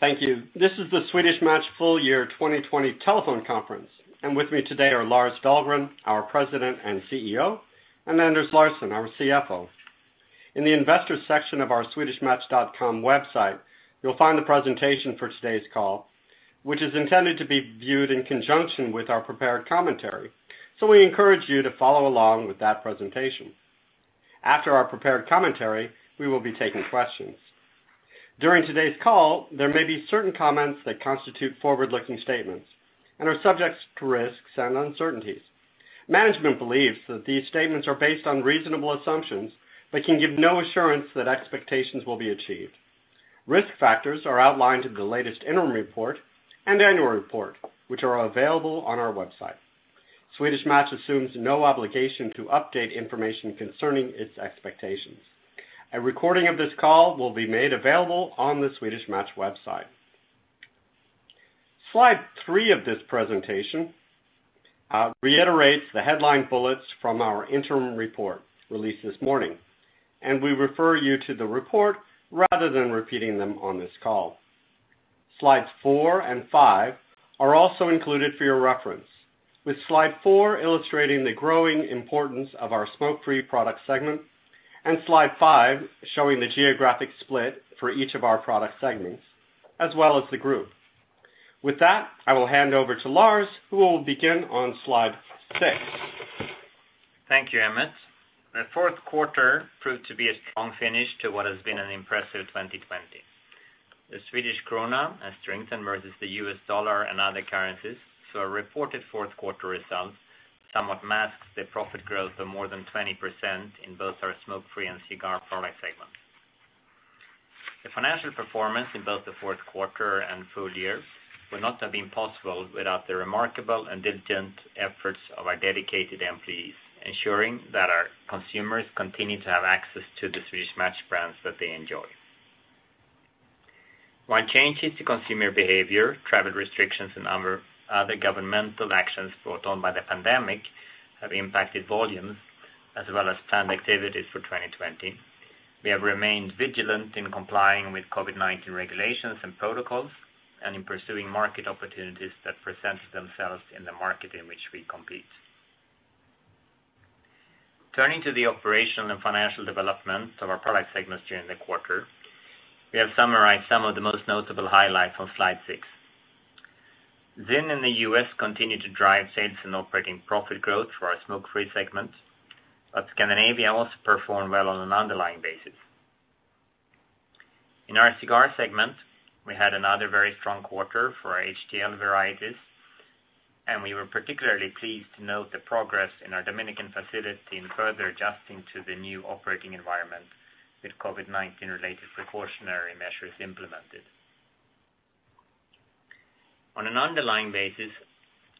Thank you. This is the Swedish Match full year 2020 telephone conference, and with me today are Lars Dahlgren, our President and CEO, and Anders Larsson, our CFO. In the investors section of our swedishmatch.com website, you'll find the presentation for today's call, which is intended to be viewed in conjunction with our prepared commentary. We encourage you to follow along with that presentation. After our prepared commentary, we will be taking questions. During today's call, there may be certain comments that constitute forward-looking statements and are subject to risks and uncertainties. Management believes that these statements are based on reasonable assumptions, but can give no assurance that expectations will be achieved. Risk factors are outlined in the latest interim report and annual report, which are available on our website. Swedish Match assumes no obligation to update information concerning its expectations. A recording of this call will be made available on the Swedish Match website. Slide three of this presentation reiterates the headline bullets from our interim report released this morning, and we refer you to the report rather than repeating them on this call. Slides four and five are also included for your reference, with slide four illustrating the growing importance of our smoke-free product segment, and slide five showing the geographic split for each of our product segments, as well as the group. With that, I will hand over to Lars, who will begin on slide six. Thank you, Emmett. The fourth quarter proved to be a strong finish to what has been an impressive 2020. The Swedish krona has strengthened versus the US dollar and other currencies, so our reported fourth quarter results somewhat masks the profit growth of more than 20% in both our smoke-free and cigar product segments. The financial performance in both the fourth quarter and full year would not have been possible without the remarkable and diligent efforts of our dedicated employees, ensuring that our consumers continue to have access to the Swedish Match brands that they enjoy. While changes to consumer behavior, travel restrictions and other governmental actions brought on by the pandemic have impacted volumes as well as planned activities for 2020, we have remained vigilant in complying with COVID-19 regulations and protocols, and in pursuing market opportunities that present themselves in the market in which we compete. Turning to the operational and financial developments of our product segments during the quarter, we have summarized some of the most notable highlights on slide six. ZYN in the U.S. continued to drive sales and operating profit growth for our smoke-free segment, but Scandinavia also performed well on an underlying basis. In our cigar segment, we had another very strong quarter for our HTL varieties, and we were particularly pleased to note the progress in our Dominican facility in further adjusting to the new operating environment with COVID-19 related precautionary measures implemented. On an underlying basis,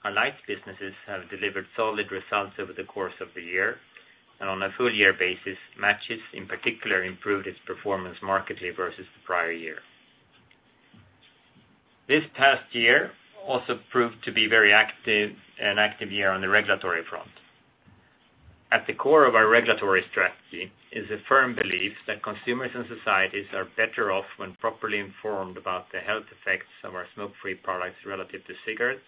our lights businesses have delivered solid results over the course of the year and on a full year basis, matches in particular improved its performance markedly versus the prior year. This past year also proved to be very active, an active year on the regulatory front. At the core of our regulatory strategy is a firm belief that consumers and societies are better off when properly informed about the health effects of our smoke-free products relative to cigarettes,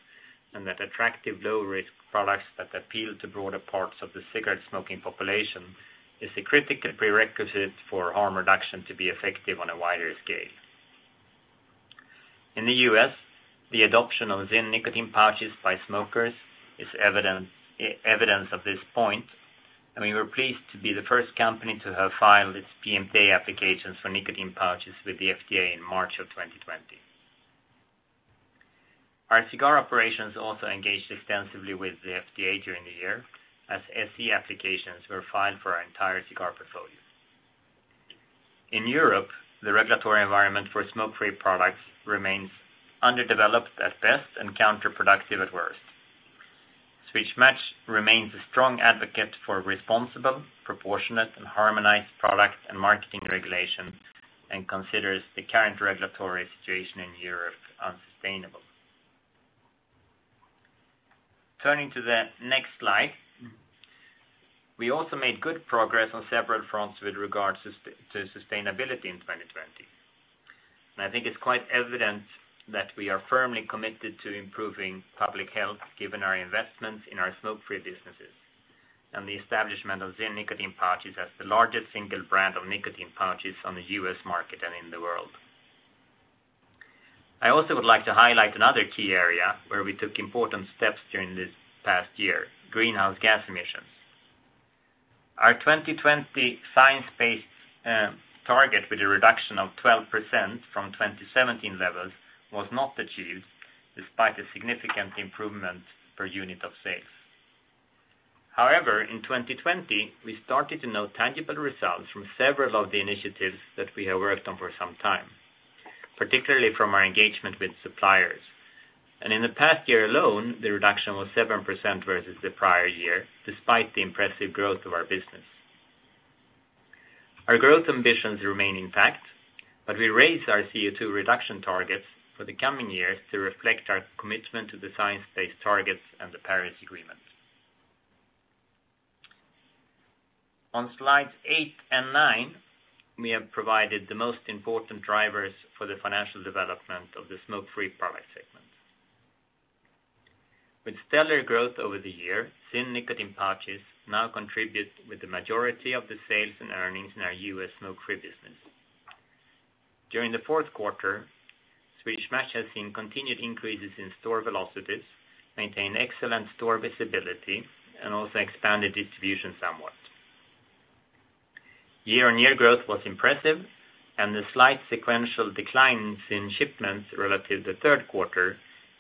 and that attractive low-risk products that appeal to broader parts of the cigarette smoking population is a critical prerequisite for harm reduction to be effective on a wider scale. In the U.S., the adoption of ZYN Nicotine Pouches by smokers is evidence of this point, we were pleased to be the first company to have filed its PMTA applications for nicotine pouches with the FDA in March of 2020. Our cigar operations also engaged extensively with the FDA during the year, as SE applications were filed for our entire cigar portfolio. In Europe, the regulatory environment for smoke-free products remains underdeveloped at best and counterproductive at worst. Swedish Match remains a strong advocate for responsible, proportionate and harmonized product and marketing regulations and considers the current regulatory situation in Europe unsustainable. Turning to the next slide, we also made good progress on several fronts with regards to sustainability in 2020. I think it's quite evident that we are firmly committed to improving public health, given our investments in our smoke-free businesses and the establishment of ZYN Nicotine Pouches as the largest single brand of nicotine pouches on the U.S. market and in the world. I also would like to highlight another key area where we took important steps during this past year: greenhouse gas emissions. Our 2020 science-based target with a reduction of 12% from 2017 levels was not achieved despite a significant improvement per unit of sales. However, in 2020, we started to note tangible results from several of the initiatives that we have worked on for some time, particularly from our engagement with suppliers. In the past year alone, the reduction was 7% versus the prior year, despite the impressive growth of our business. Our growth ambitions remain intact, but we raised our CO2 reduction targets for the coming years to reflect our commitment to the science-based targets and the Paris Agreement. On slides eight and nine, we have provided the most important drivers for the financial development of the smoke-free product segment. With stellar growth over the year, ZYN Nicotine Pouches now contribute with the majority of the sales and earnings in our U.S. smoke-free business. During the 4th quarter, Swedish Match has seen continued increases in store velocities, maintain excellent store visibility, and also expanded distribution somewhat. Year-on-year growth was impressive. The slight sequential decline in shipments relative to the third quarter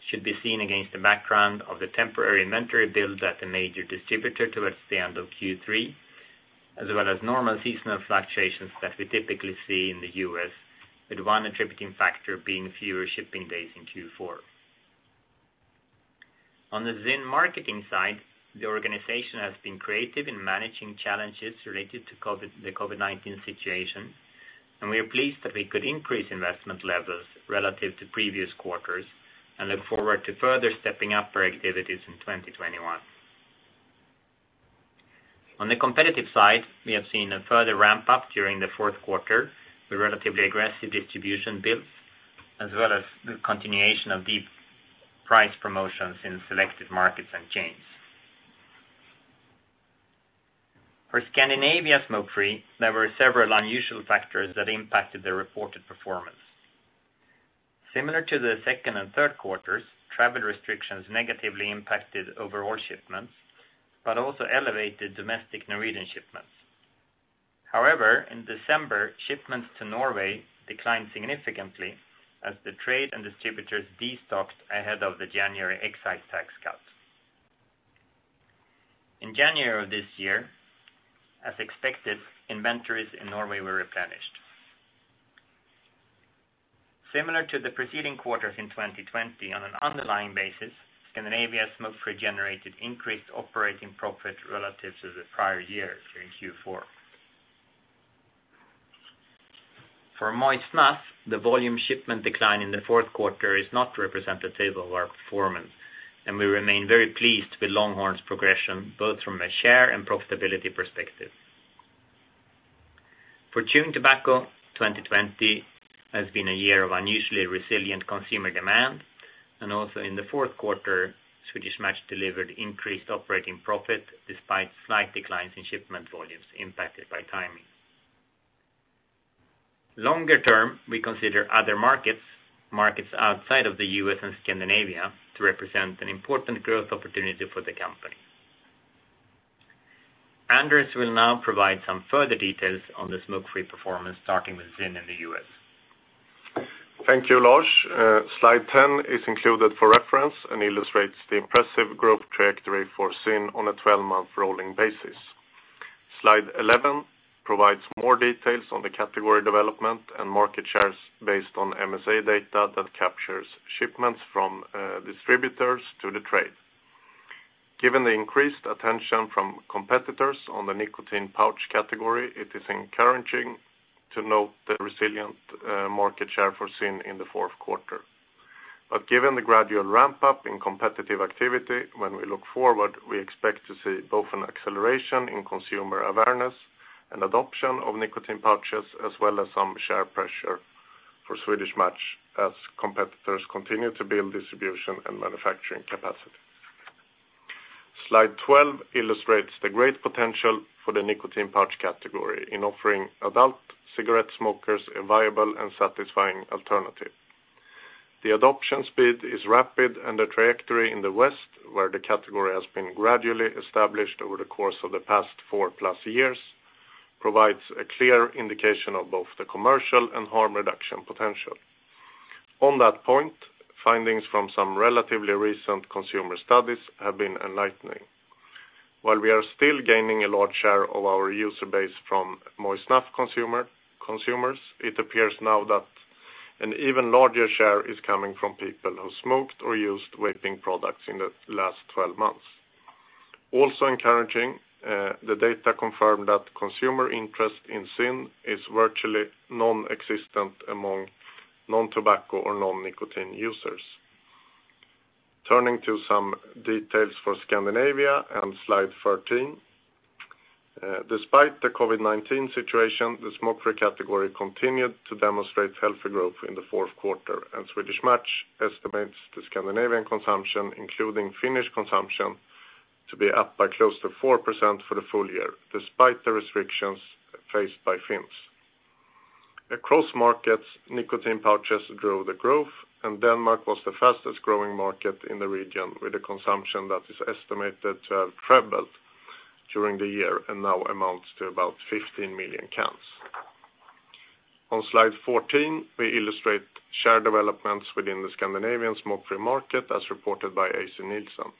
should be seen against the background of the temporary inventory build at a major distributor towards the end of Q3, as well as normal seasonal fluctuations that we typically see in the U.S., with one attributing factor being fewer shipping days in Q4. On the ZYN marketing side, the organization has been creative in managing challenges related to COVID, the COVID-19 situation. We are pleased that we could increase investment levels relative to previous quarters and look forward to further stepping up our activities in 2021. On the competitive side, we have seen a further ramp-up during the fourth quarter with relatively aggressive distribution builds, as well as the continuation of deep price promotions in selected markets and chains. For Scandinavia smoke-free, there were several unusual factors that impacted the reported performance. Similar to the second and third quarters, travel restrictions negatively impacted overall shipments but also elevated domestic Norwegian shipments. However, in December, shipments to Norway declined significantly as the trade and distributors destocked ahead of the January excise tax cut. In January of this year, as expected, inventories in Norway were replenished. Similar to the preceding quarters in 2020, on an underlying basis, Scandinavia smoke-free generated increased operating profit relatives of the prior year during Q4. For moist snuff, the volume shipment decline in the fourth quarter is not representative of our performance, and we remain very pleased with Longhorn's progression, both from a share and profitability perspective. For chewing tobacco, 2020 has been a year of unusually resilient consumer demand, and also in the fourth quarter, Swedish Match delivered increased operating profit despite slight declines in shipment volumes impacted by timing. Longer term, we consider other markets outside of the U.S. and Scandinavia, to represent an important growth opportunity for the company. Anders will now provide some further details on the smoke-free performance, starting with ZYN in the U.S. Thank you, Lars. Slide 10 is included for reference and illustrates the impressive growth trajectory for ZYN on a 12-month rolling basis. Slide 11 provides more details on the category development and market shares based on MSA data that captures shipments from distributors to the trade. Given the increased attention from competitors on the nicotine pouch category, it is encouraging to note the resilient market share for ZYN in the fourth quarter. Given the gradual ramp-up in competitive activity, when we look forward, we expect to see both an acceleration in consumer awareness and adoption of nicotine pouches, as well as some share pressure for Swedish Match as competitors continue to build distribution and manufacturing capacity. Slide 12 illustrates the great potential for the nicotine pouch category in offering adult cigarette smokers a viable and satisfying alternative. The adoption speed is rapid, and the trajectory in the West, where the category has been gradually established over the course of the past 4+ years, provides a clear indication of both the commercial and harm reduction potential. On that point, findings from some relatively recent consumer studies have been enlightening. While we are still gaining a large share of our user base from moist snuff consumers, it appears now that an even larger share is coming from people who smoked or used vaping products in the last 12 months. Also encouraging, the data confirmed that consumer interest in ZYN is virtually nonexistent among non-tobacco or non-nicotine users. Turning to some details for Scandinavia on slide 13. Despite the COVID-19 situation, the smoke-free category continued to demonstrate healthy growth in the fourth quarter, and Swedish Match estimates the Scandinavian consumption, including Finnish consumption, to be up by close to 4% for the full year, despite the restrictions faced by Finns. Across markets, nicotine pouches drove the growth, and Denmark was the fastest-growing market in the region, with a consumption that is estimated to have tripled during the year and now amounts to about 15 million cans. On slide 14, we illustrate share developments within the Scandinavian smoke-free market as reported by Nielsen.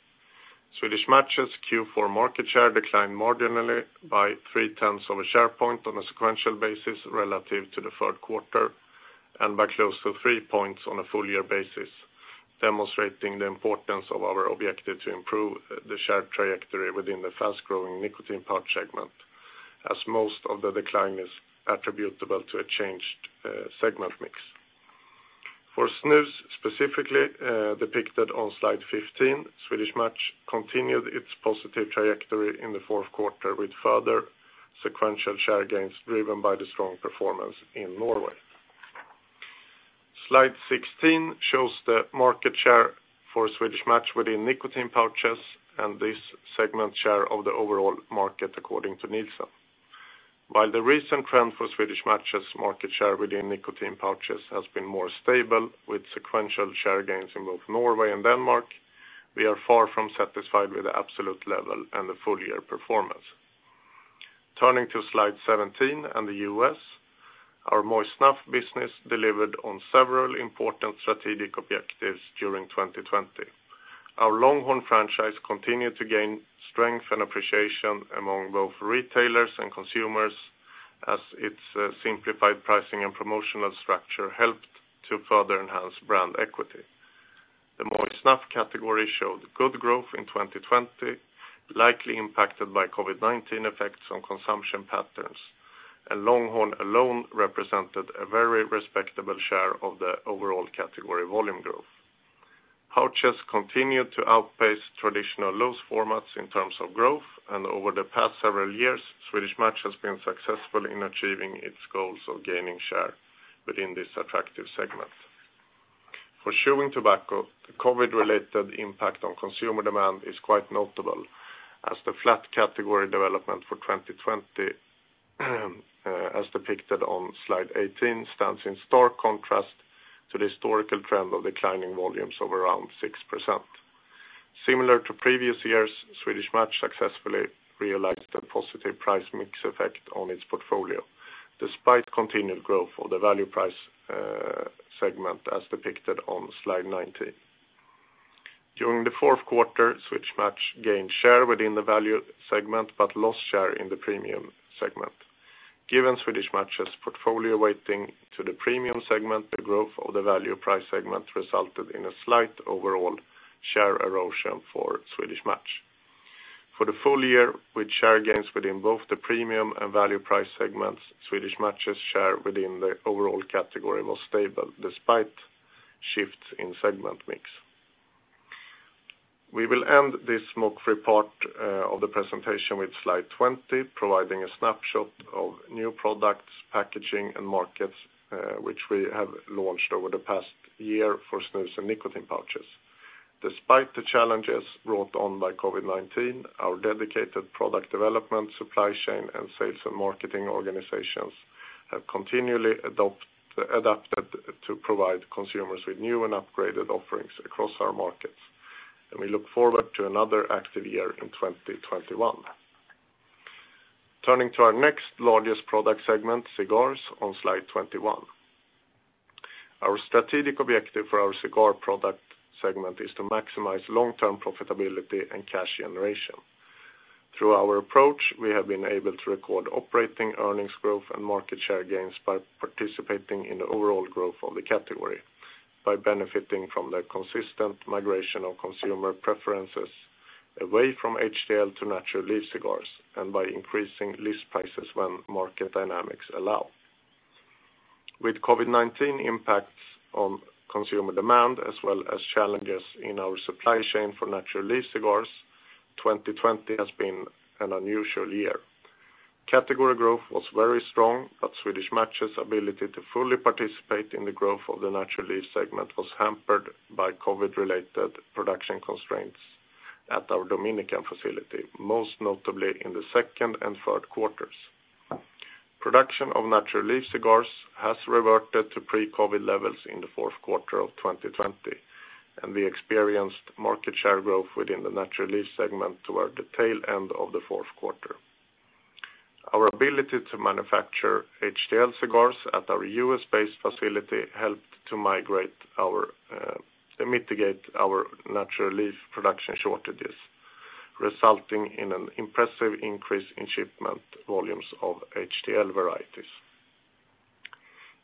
Swedish Match's Q4 market share declined marginally by 3/10 of a share point on a sequential basis relative to the third quarter and by close to three points on a full-year basis, demonstrating the importance of our objective to improve the share trajectory within the fast-growing nicotine pouch segment, as most of the decline is attributable to a changed segment mix. For snus specifically, depicted on slide 15, Swedish Match continued its positive trajectory in the fourth quarter with further sequential share gains driven by the strong performance in Norway. Slide 16 shows the market share for Swedish Match within nicotine pouches and this segment share of the overall market according to Nielsen. While the recent trend for Swedish Match's market share within nicotine pouches has been more stable with sequential share gains in both Norway and Denmark, we are far from satisfied with the absolute level and the full year performance. Turning to slide 17 and the U.S., our moist snuff business delivered on several important strategic objectives during 2020. Our Longhorn franchise continued to gain strength and appreciation among both retailers and consumers as its simplified pricing and promotional structure helped to further enhance brand equity. The moist snuff category showed good growth in 2020, likely impacted by COVID-19 effects on consumption patterns, and Longhorn alone represented a very respectable share of the overall category volume growth. Pouches continued to outpace traditional loose formats in terms of growth, and over the past several years, Swedish Match has been successful in achieving its goals of gaining share within this attractive segment. For chewing tobacco, the COVID-related impact on consumer demand is quite notable as the flat category development for 2020, as depicted on slide 18, stands in stark contrast to the historical trend of declining volumes of around 6%. Similar to previous years, Swedish Match successfully realized a positive price mix effect on its portfolio, despite continued growth of the value price segment as depicted on slide 19. During the fourth quarter, Swedish Match gained share within the value segment but lost share in the premium segment. Given Swedish Match's portfolio weighting to the premium segment, the growth of the value price segment resulted in a slight overall share erosion for Swedish Match. For the full year, with share gains within both the premium and value price segments, Swedish Match's share within the overall category was stable despite shifts in segment mix. We will end this smoke-free part of the presentation with slide 20, providing a snapshot of new products, packaging, and markets, which we have launched over the past year for snus and nicotine pouches. Despite the challenges brought on by COVID-19, our dedicated product development, supply chain, and sales and marketing organizations have continually adapted to provide consumers with new and upgraded offerings across our markets. We look forward to another active year in 2021. Turning to our next largest product segment, cigars, on slide 21. Our strategic objective for our cigar product segment is to maximize long-term profitability and cash generation. Through our approach, we have been able to record operating earnings growth and market share gains by participating in the overall growth of the category by benefiting from the consistent migration of consumer preferences away from HTL to natural leaf cigars, and by increasing list prices when market dynamics allow. With COVID-19 impacts on consumer demand as well as challenges in our supply chain for natural leaf cigars, 2020 has been an unusual year. Category growth was very strong, Swedish Match's ability to fully participate in the growth of the natural leaf segment was hampered by COVID-related production constraints at our Dominican facility, most notably in the second and third quarters. Production of natural leaf cigars has reverted to pre-COVID levels in the fourth quarter of 2020, we experienced market share growth within the natural leaf segment toward the tail end of the fourth quarter. Our ability to manufacture HTL cigars at our U.S.-based facility helped to mitigate our natural leaf production shortages, resulting in an impressive increase in shipment volumes of HTL varieties.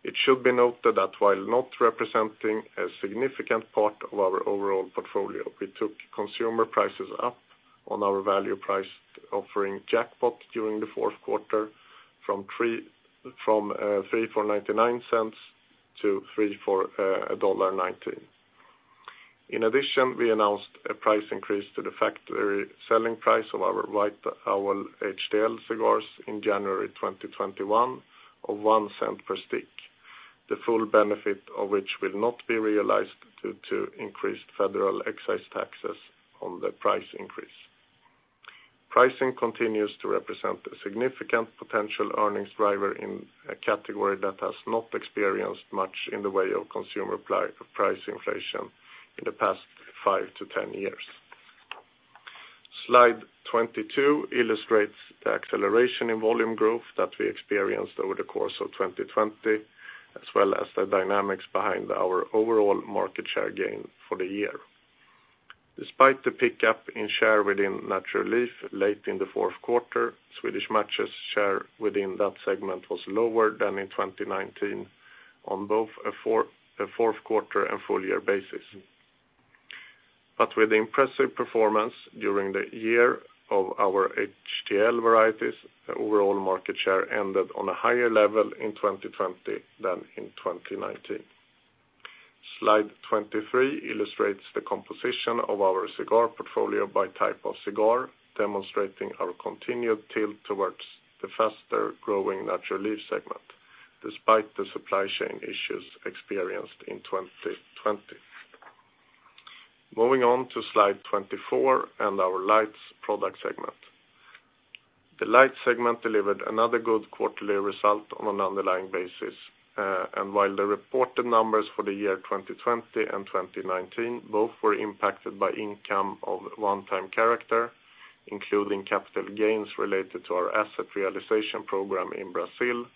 It should be noted that while not representing a significant part of our overall portfolio, we took consumer prices up on our value price offering Jackpot during the fourth quarter from three for $0.99 to three for $1.90. In addition, we announced a price increase to the factory selling price of our White Owl HTL cigars in January 2021 of $0.01 per stick, the full benefit of which will not be realized due to increased federal excise taxes on the price increase. Pricing continues to represent a significant potential earnings driver in a category that has not experienced much in the way of consumer price inflation in the past 5-10 years. Slide 22 illustrates the acceleration in volume growth that we experienced over the course of 2020, as well as the dynamics behind our overall market share gain for the year. Despite the pickup in share within natural leaf late in the fourth quarter, Swedish Match's share within that segment was lower than in 2019 on both a fourth quarter and full year basis. With impressive performance during the year of our HTL varieties, the overall market share ended on a higher level in 2020 than in 2019. Slide 23 illustrates the composition of our cigar portfolio by type of cigar, demonstrating our continued tilt towards the faster-growing natural leaf segment despite the supply chain issues experienced in 2020. Moving on to slide 24 and our lights product segment. The light segment delivered another good quarterly result on an underlying basis. While the reported numbers for the year 2020 and 2019 both were impacted by income of one-time character, including capital gains related to our asset realization program in Brazil,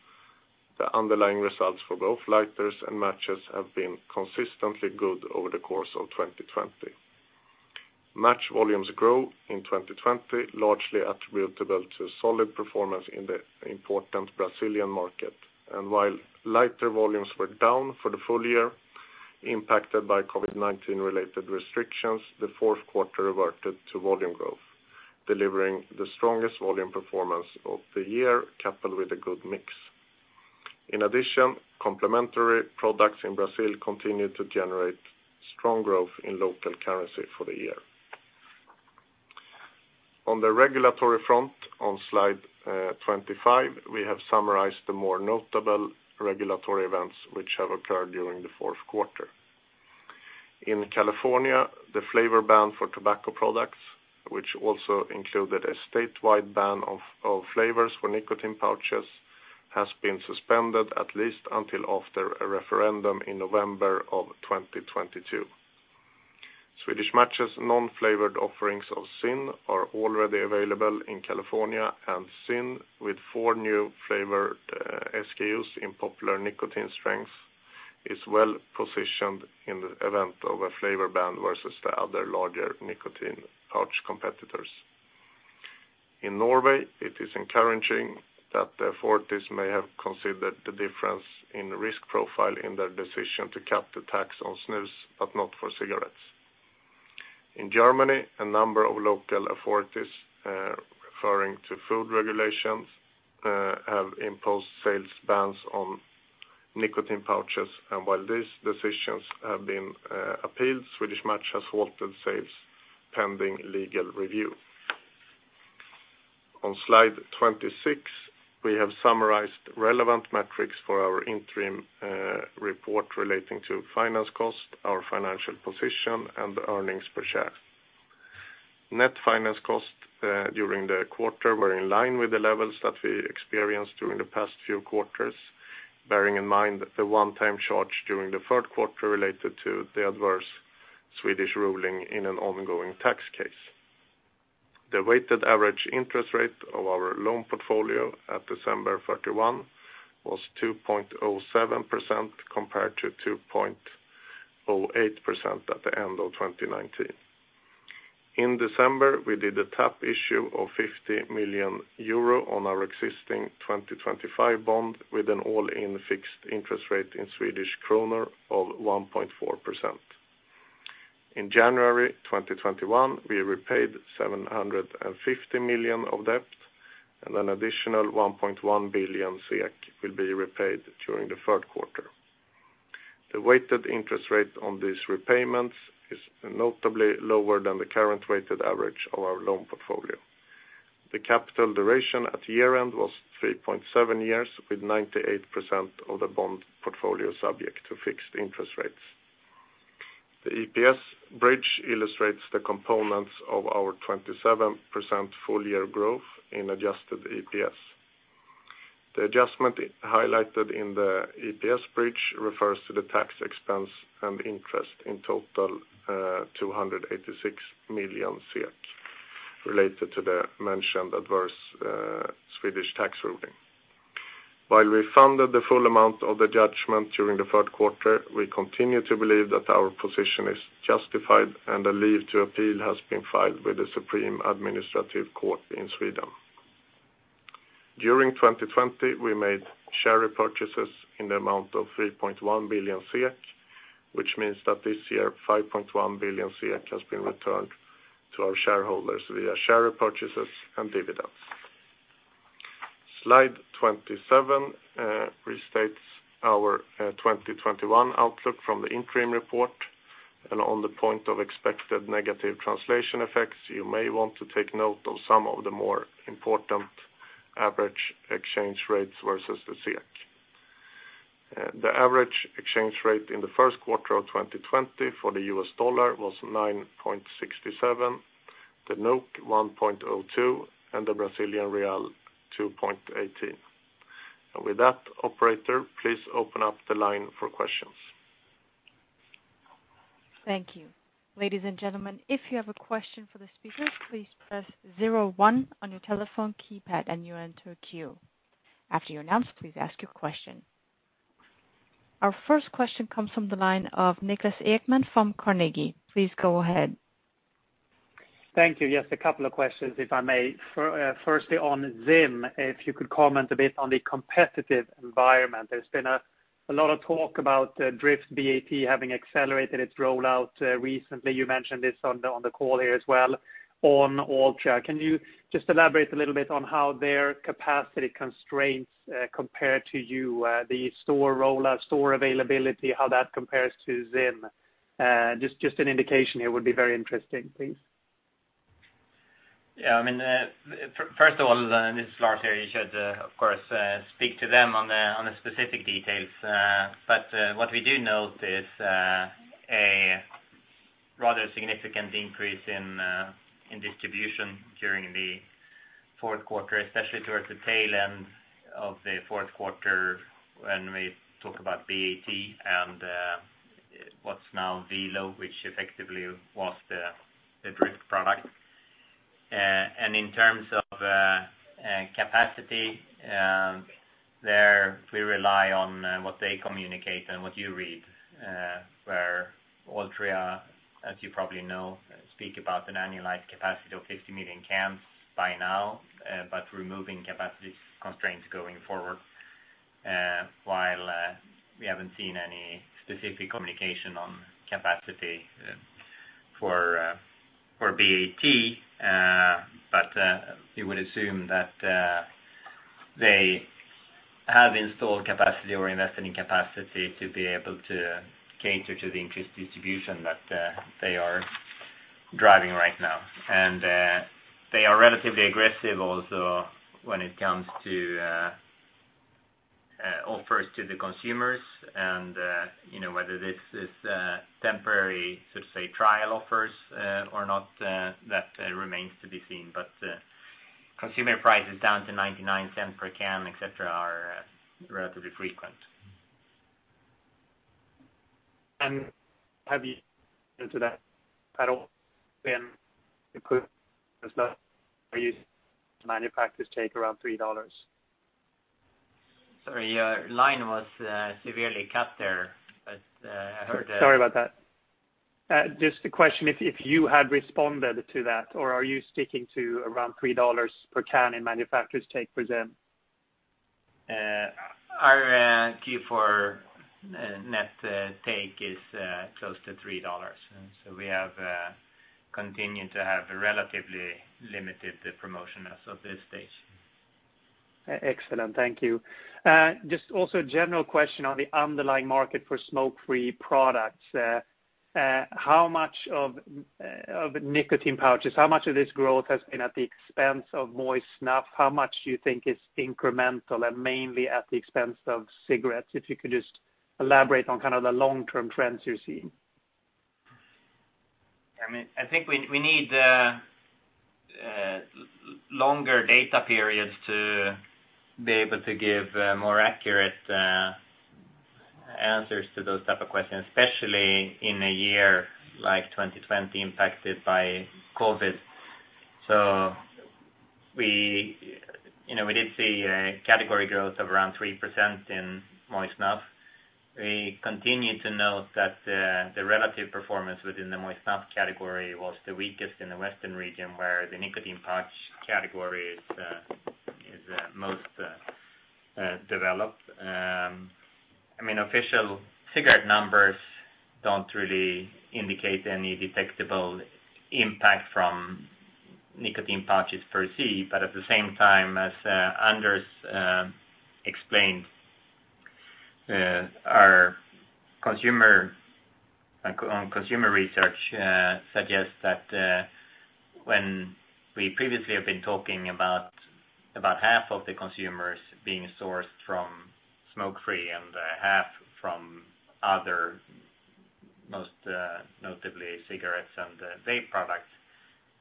the underlying results for both lighters and matches have been consistently good over the course of 2020. Match volumes grow in 2020, largely attributable to solid performance in the important Brazilian market. While lighter volumes were down for the full year impacted by COVID-19 related restrictions, the fourth quarter reverted to volume growth, delivering the strongest volume performance of the year coupled with a good mix. In addition, complementary products in Brazil continued to generate strong growth in local currency for the year. On the regulatory front, on slide 25, we have summarized the more notable regulatory events which have occurred during the fourth quarter. In California, the flavor ban for tobacco products, which also included a statewide ban of flavors for nicotine pouches, has been suspended at least until after a referendum in November of 2022. Swedish Match's non-flavored offerings of ZYN are already available in California, and ZYN with 4 new flavored SKUs in popular nicotine strengths is well-positioned in the event of a flavor ban versus the other larger nicotine pouch competitors. In Norway, it is encouraging that the authorities may have considered the difference in risk profile in their decision to cap the tax on snus, but not for cigarettes. In Germany, a number of local authorities, referring to food regulations, have imposed sales bans on nicotine pouches, and while these decisions have been appealed, Swedish Match has halted sales pending legal review. On slide 26, we have summarized relevant metrics for our interim report relating to finance cost, our financial position, and earnings per share. Net finance costs during the quarter were in line with the levels that we experienced during the past few quarters, bearing in mind the one-time charge during the third quarter related to the adverse Swedish ruling in an ongoing tax case. The weighted average interest rate of our loan portfolio at December 31 was 2.07% compared to 2.08% at the end of 2019. In December, we did a top issue of 50 million euro on our existing 2025 bond with an all-in fixed interest rate in SEK of 1.4%. In January 2021, we repaid 750 million of debt, and an additional 1.1 billion SEK will be repaid during the third quarter. The weighted interest rate on these repayments is notably lower than the current weighted average of our loan portfolio. The capital duration at year-end was 3.7 years with 98% of the bond portfolio subject to fixed interest rates. The EPS bridge illustrates the components of our 27% full-year growth in adjusted EPS. The adjustment highlighted in the EPS bridge refers to the tax expense and interest in total, 286 million SEK related to the mentioned adverse Swedish tax ruling. While we funded the full amount of the judgment during the third quarter, we continue to believe that our position is justified, and a leave to appeal has been filed with the Supreme Administrative Court of Sweden. During 2020, we made share repurchases in the amount of 3.1 billion SEK, which means that this year 5.1 billion SEK has been returned to our shareholders via share repurchases and dividends. Slide 27 restates our 2021 outlook from the interim report. On the point of expected negative translation effects, you may want to take note of some of the more important average exchange rates versus the SEK. The average exchange rate in the first quarter of 2020 for the U.S. dollar was $9.67, the 1.02, and 2.18. With that, operator, please open up the line for questions. Thank you. Ladies and gentlemen, if you have a question for the speakers, please press zero one on your telephone keypad, and you enter queue. After you're announced, please ask your question. Our first question comes from the line of Niklas Ekman from Carnegie. Please go ahead. Thank you. Yes, a couple of questions, if I may. Firstly, on ZYN, if you could comment a bit on the competitive environment. There's been a lot of talk about Dryft BAT having accelerated its rollout recently. You mentioned this on the call here as well on Altria. Can you just elaborate a little bit on how their capacity constraints compare to you? The store rollout, store availability, how that compares to ZYN. Just an indication here would be very interesting, please. I mean, first of all, this is Lars here. You should, of course, speak to them on the specific details. What we do note is a rather significant increase in distribution during the fourth quarter, especially towards the tail end of the fourth quarter when we talk about BAT and what's now Velo, which effectively was the Dryft product. In terms of capacity, there we rely on what they communicate and what you read, where Altria, as you probably know, speak about an annualized capacity of 50 million cans by now, but removing capacity constraints going forward. While we haven't seen any specific communication on capacity for BAT. You would assume that they have installed capacity or invested in capacity to be able to cater to the increased distribution that they are driving right now. They are relatively aggressive also when it comes to offers to the consumers, and, you know, whether this is temporary, should say, trial offers or not, that remains to be seen. Consumer prices down to $0.99 per can, et cetera, are relatively frequent. Have you [inaudible] manufacturers take around $3? Sorry, your line was severely cut there, but I heard. Sorry about that. Just a question if you had responded to that, or are you sticking to around $3 per can in manufacturer's take for ZYN? Our Q4 net take is close to $3. We have continued to have relatively limited promotion as of this stage. Excellent. Thank you. Just also a general question on the underlying market for smoke-free products. How much of nicotine pouches, how much of this growth has been at the expense of moist snuff? How much do you think is incremental and mainly at the expense of cigarettes? If you could just elaborate on kind of the long-term trends you're seeing. I mean, I think we need longer data periods to be able to give more accurate answers to those type of questions, especially in a year like 2020 impacted by COVID. We, you know, we did see a category growth of around 3% in moist snuff. We continue to note that the relative performance within the moist snuff category was the weakest in the Western region, where the nicotine pouch category is most developed. I mean, official cigarette numbers don't really indicate any detectable impact from nicotine pouches per se. At the same time, as Anders explained, on consumer research suggests that when we previously have been talking about half of the consumers being sourced from smoke-free and half from other, most notably cigarettes and vape products.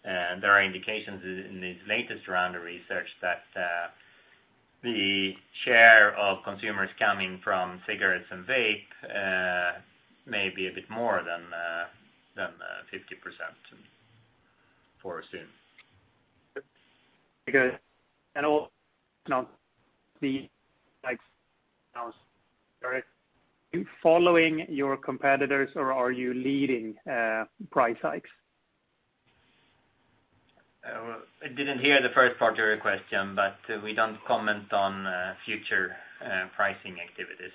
There are indications in this latest round of research that the share of consumers coming from cigarettes and vape may be a bit more than 50% for ZYN. Good. [inaudible] are you following your competitors or are you leading price hikes? I didn't hear the first part of your question, but we don't comment on future pricing activities.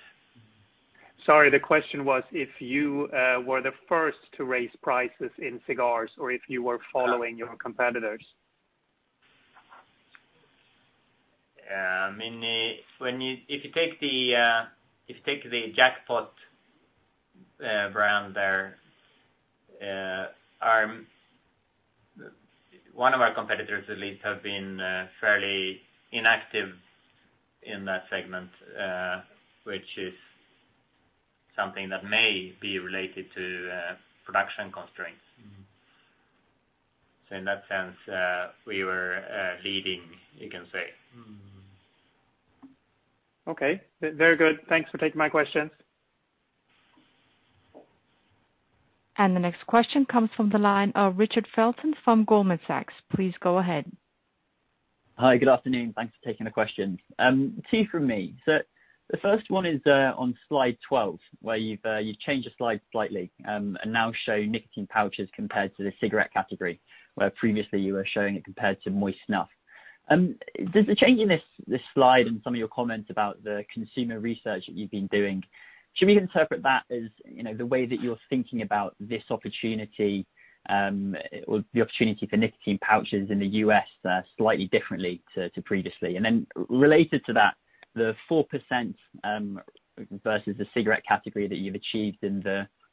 Sorry, the question was if you were the first to raise prices in cigars or if you were following your competitors. If you take the Jackpot brand there, our one of our competitors, at least, have been fairly inactive in that segment, which is something that may be related to production constraints. In that sense, we were leading, you can say. Okay. Very good. Thanks for taking my questions. The next question comes from the line of Richard Felton from Goldman Sachs. Please go ahead. Hi, good afternoon. Thanks for taking the question. Two from me. The first one is on slide 12, where you've changed the slide slightly and now show nicotine pouches compared to the cigarette category, where previously you were showing it compared to moist snuff. Does the change in this slide and some of your comments about the consumer research that you've been doing, should we interpret that as, you know, the way that you're thinking about this opportunity, or the opportunity for nicotine pouches in the U.S. slightly differently to previously? Related to that, the 4% versus the cigarette category that you've achieved in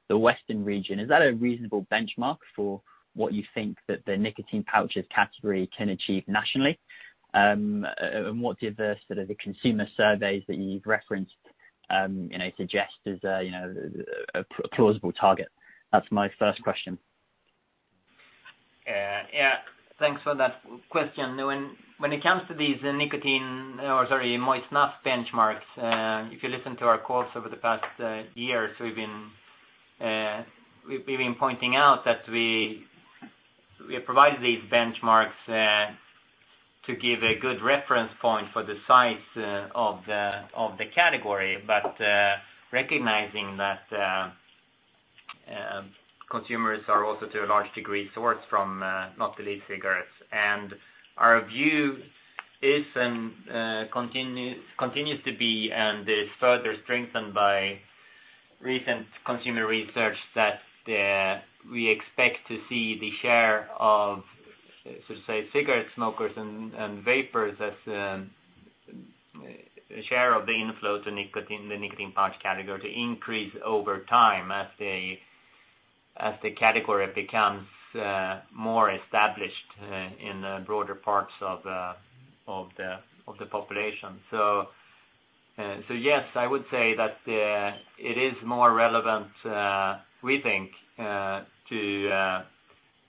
the western region, is that a reasonable benchmark for what you think that the nicotine pouches category can achieve nationally? What do the sort of the consumer surveys that you've referenced, you know, suggest as a, you know, a plausible target? That's my first question. Yeah, thanks for that question. When it comes to these nicotine or, sorry, moist snuff benchmarks, if you listen to our calls over the past years, we've been pointing out that we have provided these benchmarks to give a good reference point for the size of the category. Recognizing that consumers are also to a large degree sourced from not only cigarettes. Our view is and continues to be and is further strengthened by recent consumer research that we expect to see the share of, so to say, cigarette smokers and vapors as share of the inflow to nicotine, the nicotine pouch category to increase over time as the category becomes more established in the broader parts of the population. So yes, I would say that it is more relevant, we think, to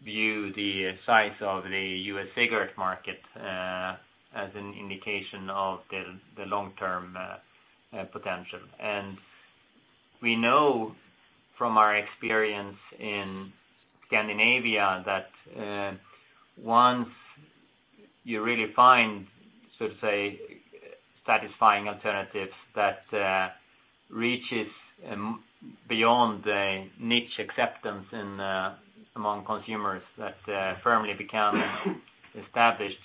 view the size of the U.S. cigarette market as an indication of the long-term potential. We know from our experience in Scandinavia that once you really find satisfying alternatives that reaches beyond a niche acceptance among consumers that firmly become established,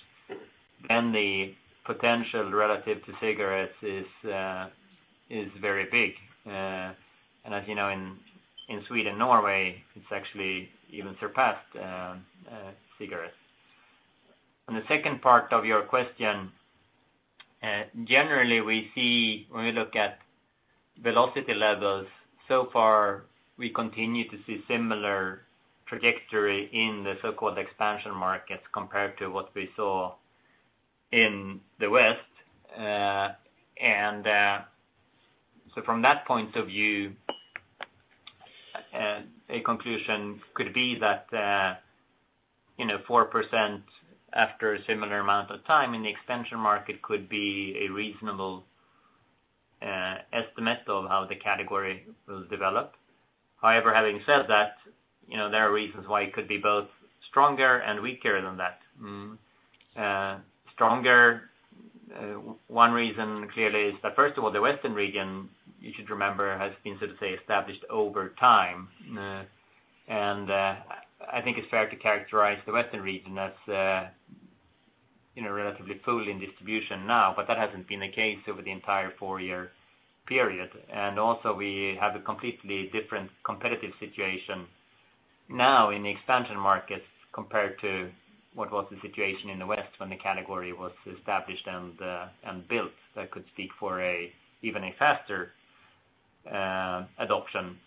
then the potential relative to cigarettes is very big. As you know, in Sweden, Norway, it's actually even surpassed cigarettes. On the second part of your question, generally, we see when we look at velocity levels so far, we continue to see similar trajectory in the so-called expansion markets compared to what we saw in the West. From that point of view, a conclusion could be that, you know, 4% after a similar amount of time in the expansion market could be a reasonable estimate of how the category will develop. However, having said that, you know, there are reasons why it could be both stronger and weaker than that. Stronger, one reason clearly is that, first of all, the western region, you should remember, has been sort of, say, established over time. I think it's fair to characterize the western region as, you know, relatively fully in distribution now, but that hasn't been the case over the entire four-year period. Also, we have a completely different competitive situation now in the expansion markets compared to what was the situation in the west when the category was established and built that could speak for an even faster adoption.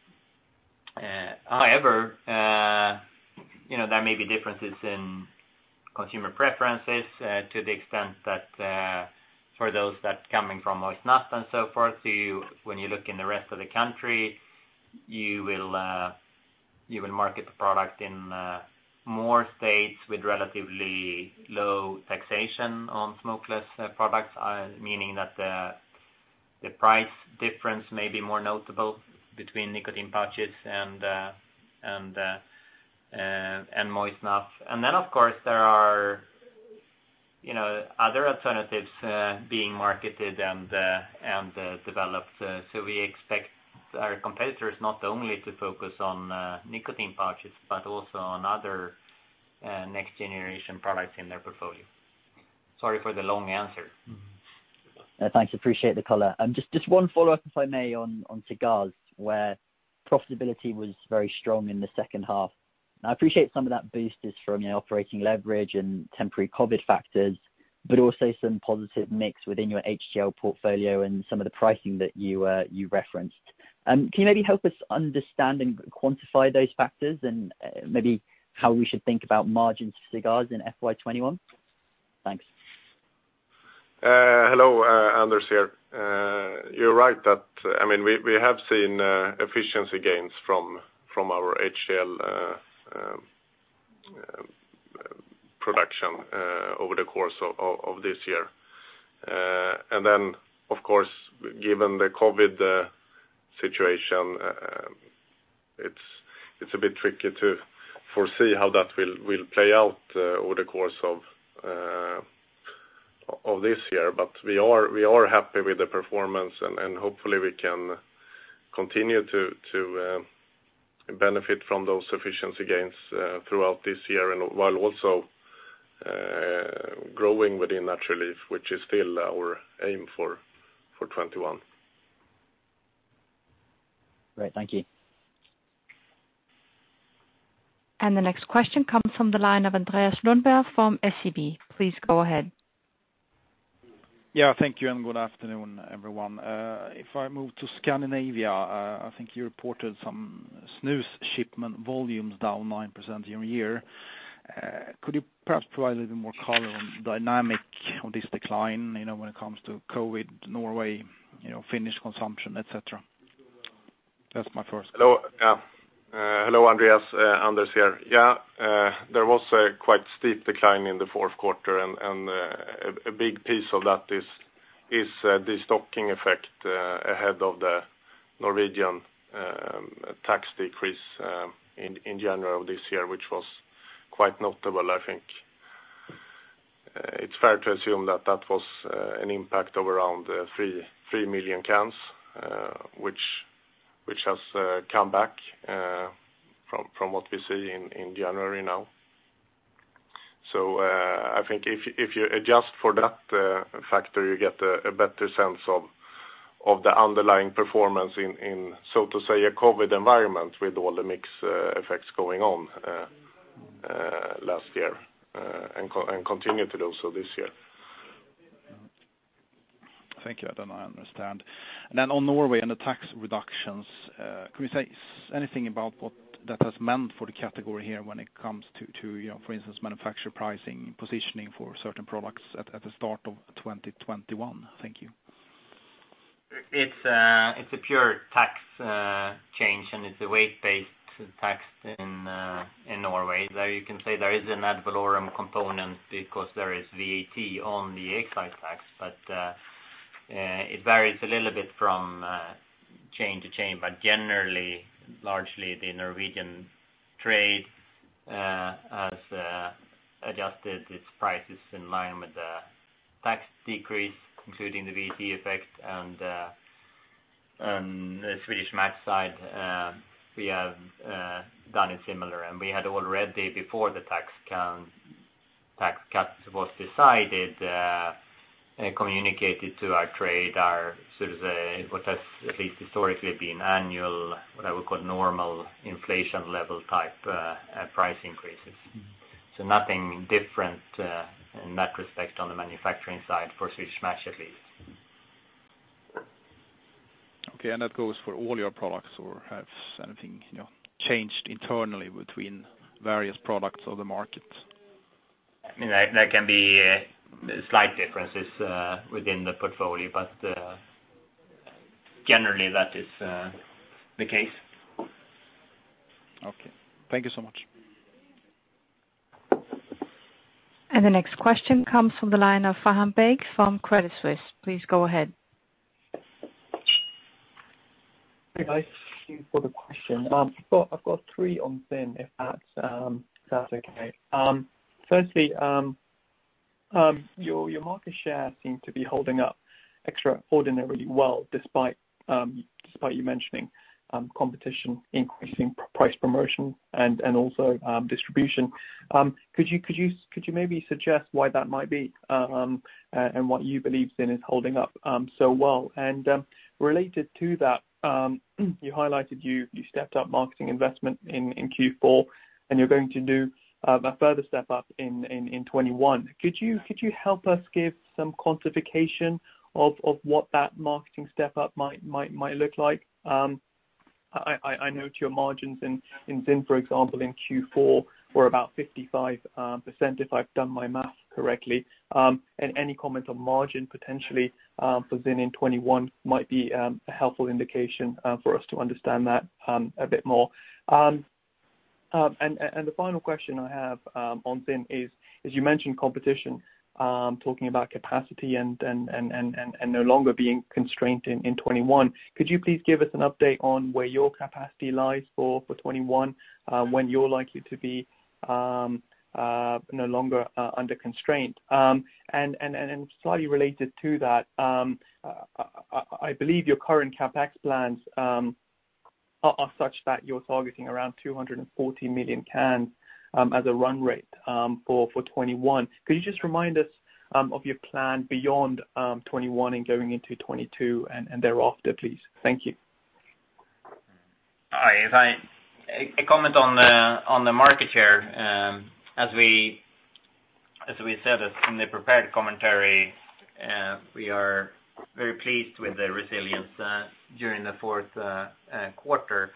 However, you know, there may be differences in consumer preferences, to the extent that, for those that coming from moist snuff and so forth, when you look in the rest of the country, you will market the product in more states with relatively low taxation on smokeless products, meaning that the price difference may be more notable between nicotine pouches and moist snuff. Of course, there are, you know, other alternatives being marketed and developed. We expect our competitors not only to focus on nicotine pouches, but also on other next-generation products in their portfolio. Sorry for the long answer. Thanks. Appreciate the color. Just one follow-up, if I may, on cigars, where profitability was very strong in the second half. I appreciate some of that boost is from your operating leverage and temporary COVID factors, but also some positive mix within your HTL portfolio and some of the pricing that you referenced. Can you maybe help us understand and quantify those factors and maybe how we should think about margins for cigars in FY 2021? Thanks. Hello, Anders here. You're right that, I mean, we have seen efficiency gains from our HTL production over the course of this year. Of course, given the COVID situation, it's a bit tricky to foresee how that will play out over the course of this year. We are happy with the performance and hopefully we can continue to benefit from those efficiency gains throughout this year and while also growing within natural leaf, which is still our aim for 2021. Great. Thank you. The next question comes from the line of Andreas Lundberg from SEB. Please go ahead. Yeah. Thank you, and good afternoon, everyone. If I move to Scandinavia, I think you reported some snus shipment volumes down 9% year-over-year. Could you perhaps provide a little more color on the dynamic of this decline, you know, when it comes to COVID, Norway, you know, Finnish consumption, et cetera? That's my first. Hello, Andreas. Anders here. There was a quite steep decline in the fourth quarter and a big piece of that is the stocking effect ahead of the Norwegian tax decrease in general this year, which was quite notable, I think. It's fair to assume that that was an impact of around three million cans, which has come back from what we see in January now. I think if you adjust for that factor, you get a better sense of the underlying performance in so to say, a COVID environment with all the mix effects going on last year and continue to do so this year. Thank you. That I understand. Then on Norway and the tax reductions, can you say anything about what that has meant for the category here when it comes to, you know, for instance, manufacturer pricing, positioning for certain products at the start of 2021? Thank you. It's a pure tax change, and it's a weight-based tax in Norway. There you can say there is an ad valorem component because there is VAT on the excise tax. It varies a little bit from chain to chain. Generally, largely the Norwegian trade has adjusted its prices in line with the tax decrease, including the VAT effect. On the Swedish Match side, we have done it similar. We had already before the tax cut was decided, communicated to our trade, our so to say, what has at least historically been annual, what I would call normal inflation level type price increases. Nothing different in that respect on the manufacturing side, for Swedish Match at least. Okay. That goes for all your products, or has anything, you know, changed internally between various products or the market? I mean, there can be slight differences within the portfolio, but generally that is the case. Okay. Thank you so much. The next question comes from the line of Faham Baig from Credit Suisse. Please go ahead. Hey, guys. Thank you for the question. I've got three on ZYN if that's okay. Firstly, your market share seem to be holding up extraordinarily well despite despite you mentioning competition increasing price promotion and also distribution. Could you maybe suggest why that might be and what you believe ZYN is holding up so well? Related to that, you highlighted you stepped up marketing investment in Q4, and you're going to do a further step up in 2021. Could you help us give some quantification of what that marketing step up might look like? I know to your margins in ZYN, for example, in Q4, were about 55%, if I've done my math correctly. Any comment on margin potentially for ZYN in 2021 might be a helpful indication for us to understand that a bit more. The final question I have on ZYN is you mentioned competition talking about capacity and no longer being constrained in 2021. Could you please give us an update on where your capacity lies for 2021, when you're likely to be no longer under constraint? Slightly related to that, I believe your current CapEx plans are such that you're targeting around 240 million cans as a run rate for 2021. Could you just remind us of your plan beyond 2021 and going into 2022 and thereafter, please? Thank you. All right. A comment on the market share, as we said in the prepared commentary, we are very pleased with the resilience during the fourth quarter.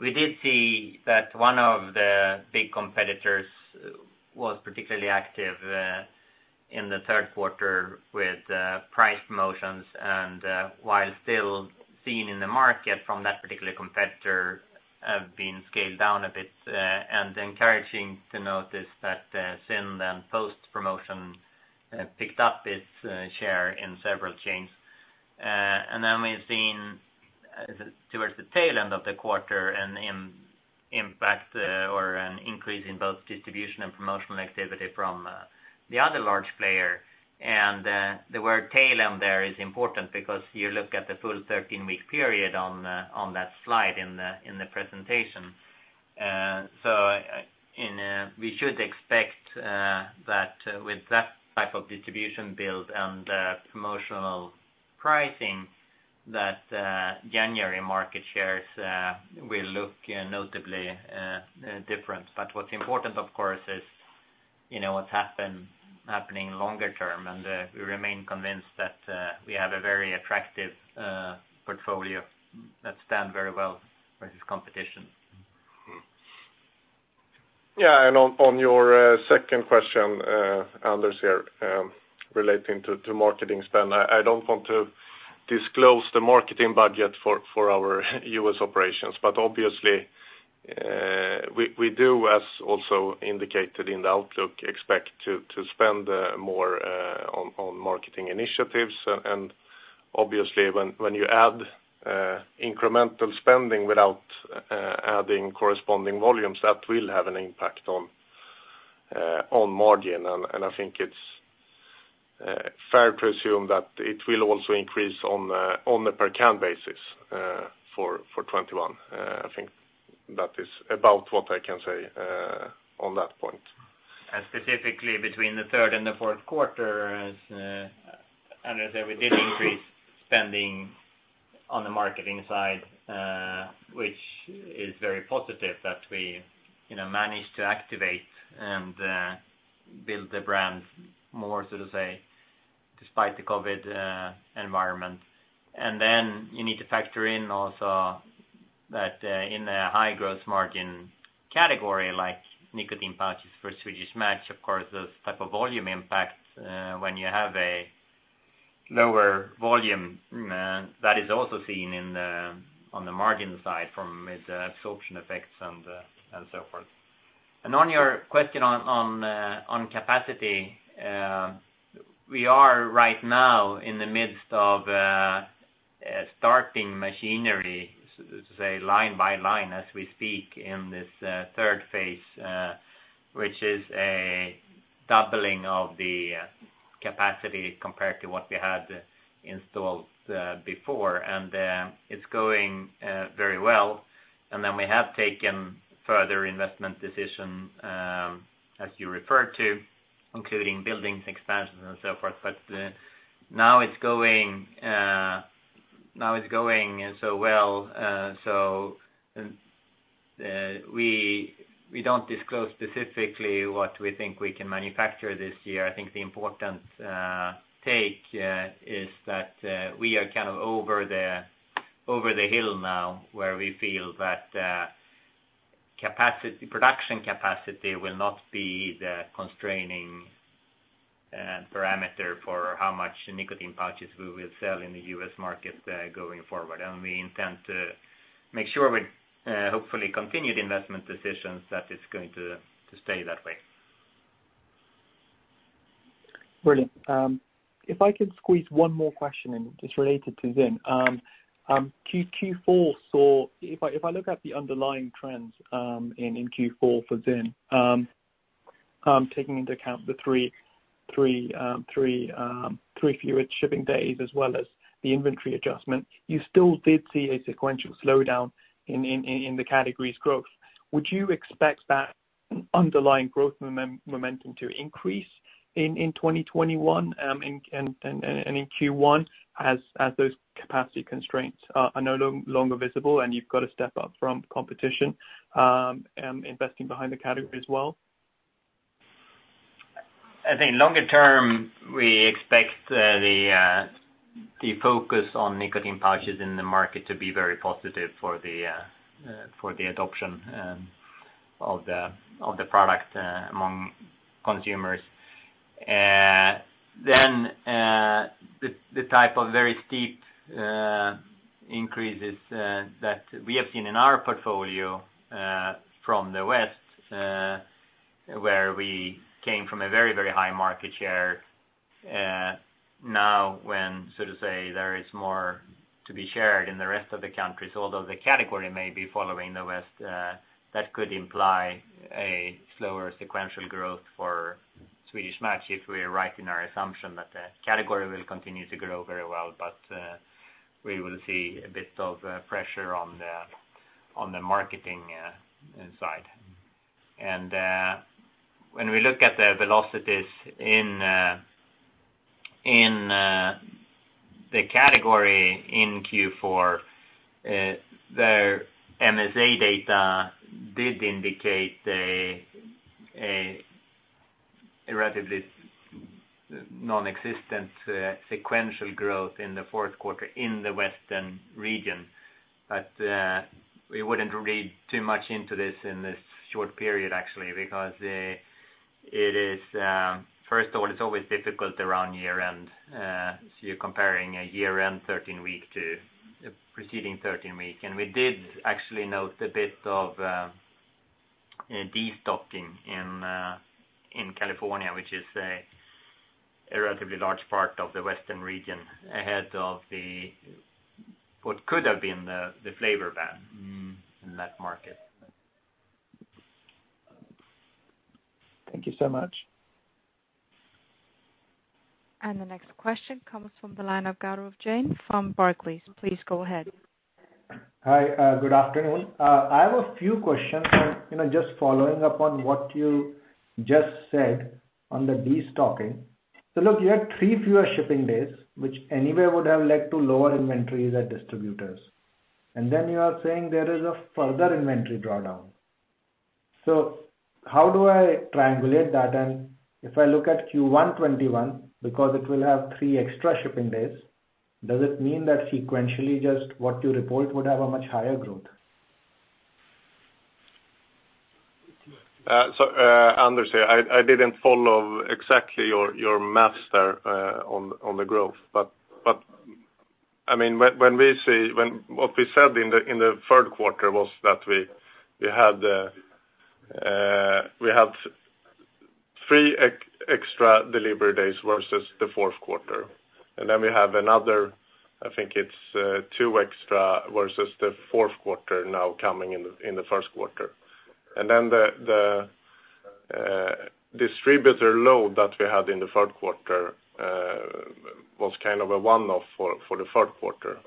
We did see that one of the big competitors was particularly active in the third quarter with price promotions. While still seen in the market from that particular competitor have been scaled down a bit, and encouraging to notice that ZYN then post-promotion picked up its share in several chains. Towards the tail end of the quarter an impact, or an increase in both distribution and promotional activity from the other large player. The word tail end there is important because you look at the full 13-week period on that slide in the presentation. We should expect that with that type of distribution build and promotional pricing that January market shares will look notably different. What's important, of course, is, you know, what's happening longer term. We remain convinced that we have a very attractive portfolio that stand very well versus competition. On your second question, Anders here, relating to marketing spend. I don't want to disclose the marketing budget for our U.S. operations, but obviously, we do, as also indicated in the outlook, expect to spend more on marketing initiatives. Obviously when you add incremental spending without adding corresponding volumes, that will have an impact on margin. I think it's fair to assume that it will also increase on the per can basis for 2021. I think that is about what I can say on that point. Specifically between the third and the fourth quarter, as Anders said, we did increase spending on the marketing side, which is very positive that we, you know, managed to activate and build the brand more so to say despite the COVID environment. Then you need to factor in also that in the high gross margin category, like nicotine pouches for Swedish Match, of course, those type of volume impacts, when you have a lower volume, that is also seen in the, on the margin side from its absorption effects and so forth. On your question on capacity, we are right now in the midst of starting machinery, so to say, line by line as we speak in this third phase, which is a doubling of the capacity compared to what we had installed before. It's going very well. Then we have taken further investment decision, as you referred to, including buildings expansions and so forth. Now it's going so well. We don't disclose specifically what we think we can manufacture this year. I think the important take is that we are kind of over the hill now, where we feel that capacity, production capacity will not be the constraining parameter for how much nicotine pouches we will sell in the U.S. market, going forward. We intend to make sure with hopefully continued investment decisions that it's going to stay that way. Brilliant. If I could squeeze one more question in. It's related to ZYN. Q4 saw If I look at the underlying trends in Q4 for ZYN, taking into account the three fewer shipping days as well as the inventory adjustment, you still did see a sequential slowdown in the category's growth. Would you expect that underlying growth momentum to increase in 2021 and in Q1 as those capacity constraints are no longer visible and you've got a step up from competition investing behind the category as well? I think longer term, we expect the focus on nicotine pouches in the market to be very positive for the for the adoption of the of the product among consumers. The type of very steep increases that we have seen in our portfolio from the West, where we came from a very, very high market share, now when so to say there is more to be shared in the rest of the countries, although the category may be following the West, that could imply a slower sequential growth for Swedish Match, if we're right in our assumption that the category will continue to grow very well. We will see a bit of pressure on the on the marketing side. When we look at the velocities in the category in Q4, the MSA data did indicate a relatively nonexistent sequential growth in the fourth quarter in the Western region. We wouldn't read too much into this in this short period actually, because it is first of all, it's always difficult around year-end, so you're comparing a year-end 13-week to preceding 13-week. We did actually note a bit of a destocking in California, which is a relatively large part of the Western region ahead of what could have been the flavor ban in that market. Thank you so much. The next question comes from the line of Gaurav Jain from Barclays. Please go ahead. Hi, good afternoon. I have a few questions. You know, just following up on what you just said on the destocking. Look, you had three fewer shipping days, which anyway would have led to lower inventories at distributors. You are saying there is a further inventory drawdown. How do I triangulate that? If I look at Q1 2021, because it will have three extra shipping days, does it mean that sequentially just what you report would have a much higher growth? Anders here. I didn't follow exactly your math there, on the growth. I mean, what we said in the third quarter was that we had, we have three ex-extra delivery days versus the fourth quarter. We have another, I think it's, two extra versus the fourth quarter now coming in the first quarter. The distributor load that we had in the third quarter, was kind of a one-off for the third quarter.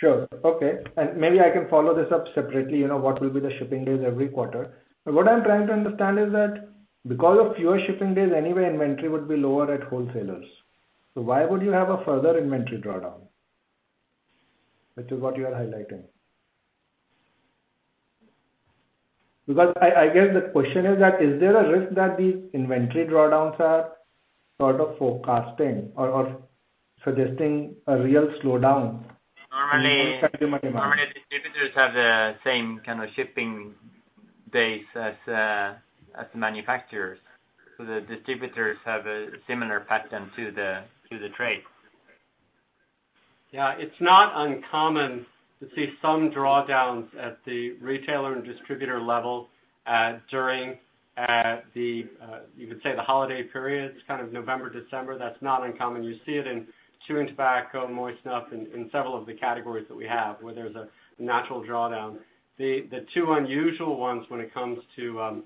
Sure. Okay. Maybe I can follow this up separately, you know, what will be the shipping days every quarter. What I'm trying to understand is that because of fewer shipping days, anyway, inventory would be lower at wholesalers. Why would you have a further inventory drawdown, which is what you are highlighting? I guess the question is that, is there a risk that these inventory drawdowns are sort of forecasting or suggesting a real slowdown in the overall consumer demand? Normally, distributors have the same kind of shipping days as manufacturers. The distributors have a similar pattern to the trade. It's not uncommon to see some drawdowns at the retailer and distributor level during the holiday periods, kind of November, December. That's not uncommon. You see it in chewing tobacco, moist snuff, in several of the categories that we have, where there's a natural drawdown. The two unusual ones when it comes to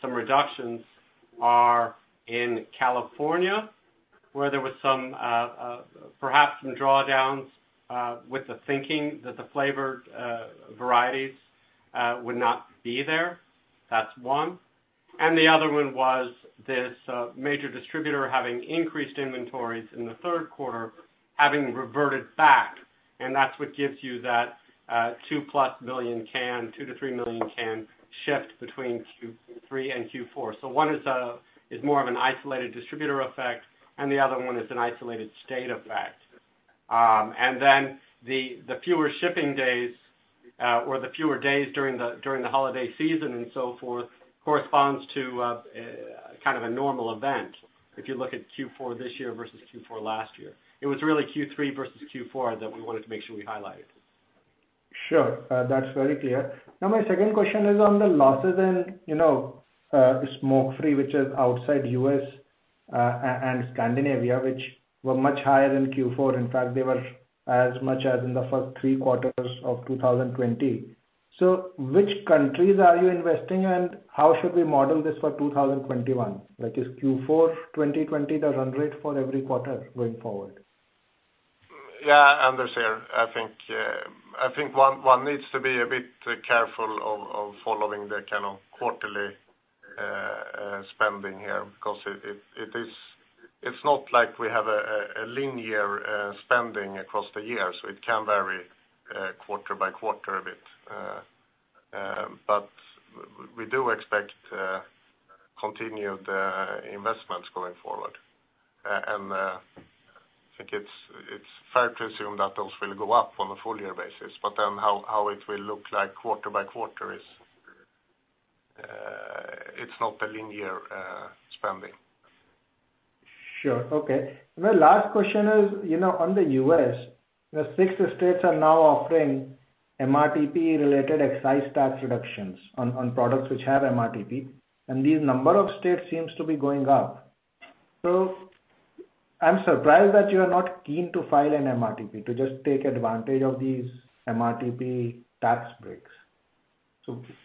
some reductions are in California, where there was some perhaps some drawdowns with the thinking that the flavored varieties would not be there. That's one. The other one was this major distributor having increased inventories in the third quarter, having reverted back, and that's what gives you that 2+ million can, two million to three million can shift between Q3 and Q4. One is more of an isolated distributor effect, and the other one is an isolated state effect. The fewer shipping days, or the fewer days during the holiday season and so forth corresponds to kind of a normal event, if you look at Q4 this year versus Q4 last year. It was really Q3 versus Q4 that we wanted to make sure we highlighted. Sure. That's very clear. My second question is on the losses in, you know, smoke-free, which is outside U.S. and Scandinavia, which were much higher in Q4. In fact, they were as much as in the first three quarters of 2020. Which countries are you investing, and how should we model this for 2021? Like, is Q4 2020 the run rate for every quarter going forward? Yeah. Anders here. I think one needs to be a bit careful of following the kind of quarterly spending here because it is it's not like we have a linear spending across the year. It can vary quarter by quarter a bit. We do expect continued investments going forward. I think it's fair to assume that those will go up on a full year basis. Then how it will look like quarter by quarter is it's not a linear spending. Sure. Okay. My last question is, you know, on the U.S., the six states are now offering MRTP-related excise tax reductions on products which have MRTP, and these number of states seems to be going up. I'm surprised that you are not keen to file an MRTP to just take advantage of these MRTP tax breaks.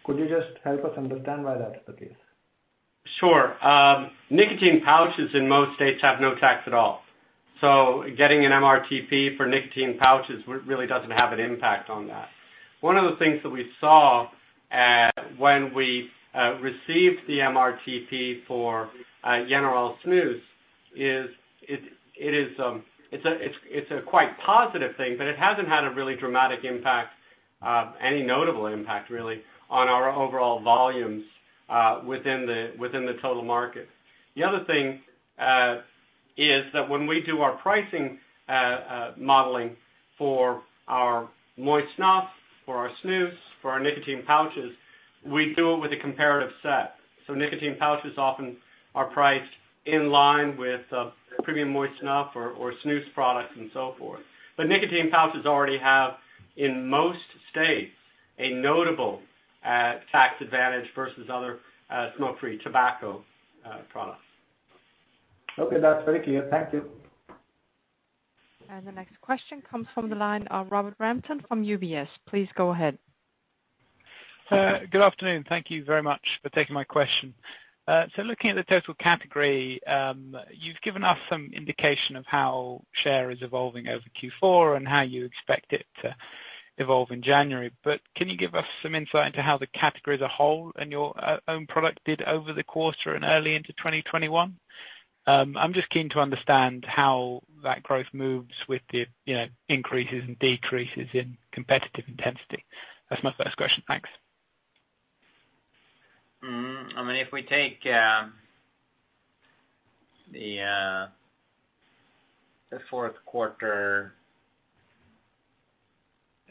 Could you just help us understand why that is the case? Sure. Nicotine pouches in most states have no tax at all. Getting an MRTP for nicotine pouches really doesn't have an impact on that. One of the things that we saw when we received the MRTP for General Snus is it is a quite positive thing, but it hasn't had a really dramatic impact, any notable impact really, on our overall volumes within the total market. The other thing is that when we do our pricing modeling for our moist snuff, for our snus, for our nicotine pouches, we do it with a comparative set. Nicotine pouches often are priced in line with premium moist snuff or snus products and so forth. Nicotine pouches already have, in most states, a notable tax advantage versus other smoke-free tobacco products. Okay. That's very clear. Thank you. The next question comes from the line of Robert Rampton from UBS. Please go ahead. Good afternoon. Thank you very much for taking my question. Looking at the total category, you've given us some indication of how share is evolving over Q4 and how you expect it to evolve in January. Can you give us some insight into how the category as a whole and your own product did over the quarter and early into 2021? I'm just keen to understand how that growth moves with the, you know, increases and decreases in competitive intensity. That's my first question. Thanks. I mean, if we take the fourth quarter,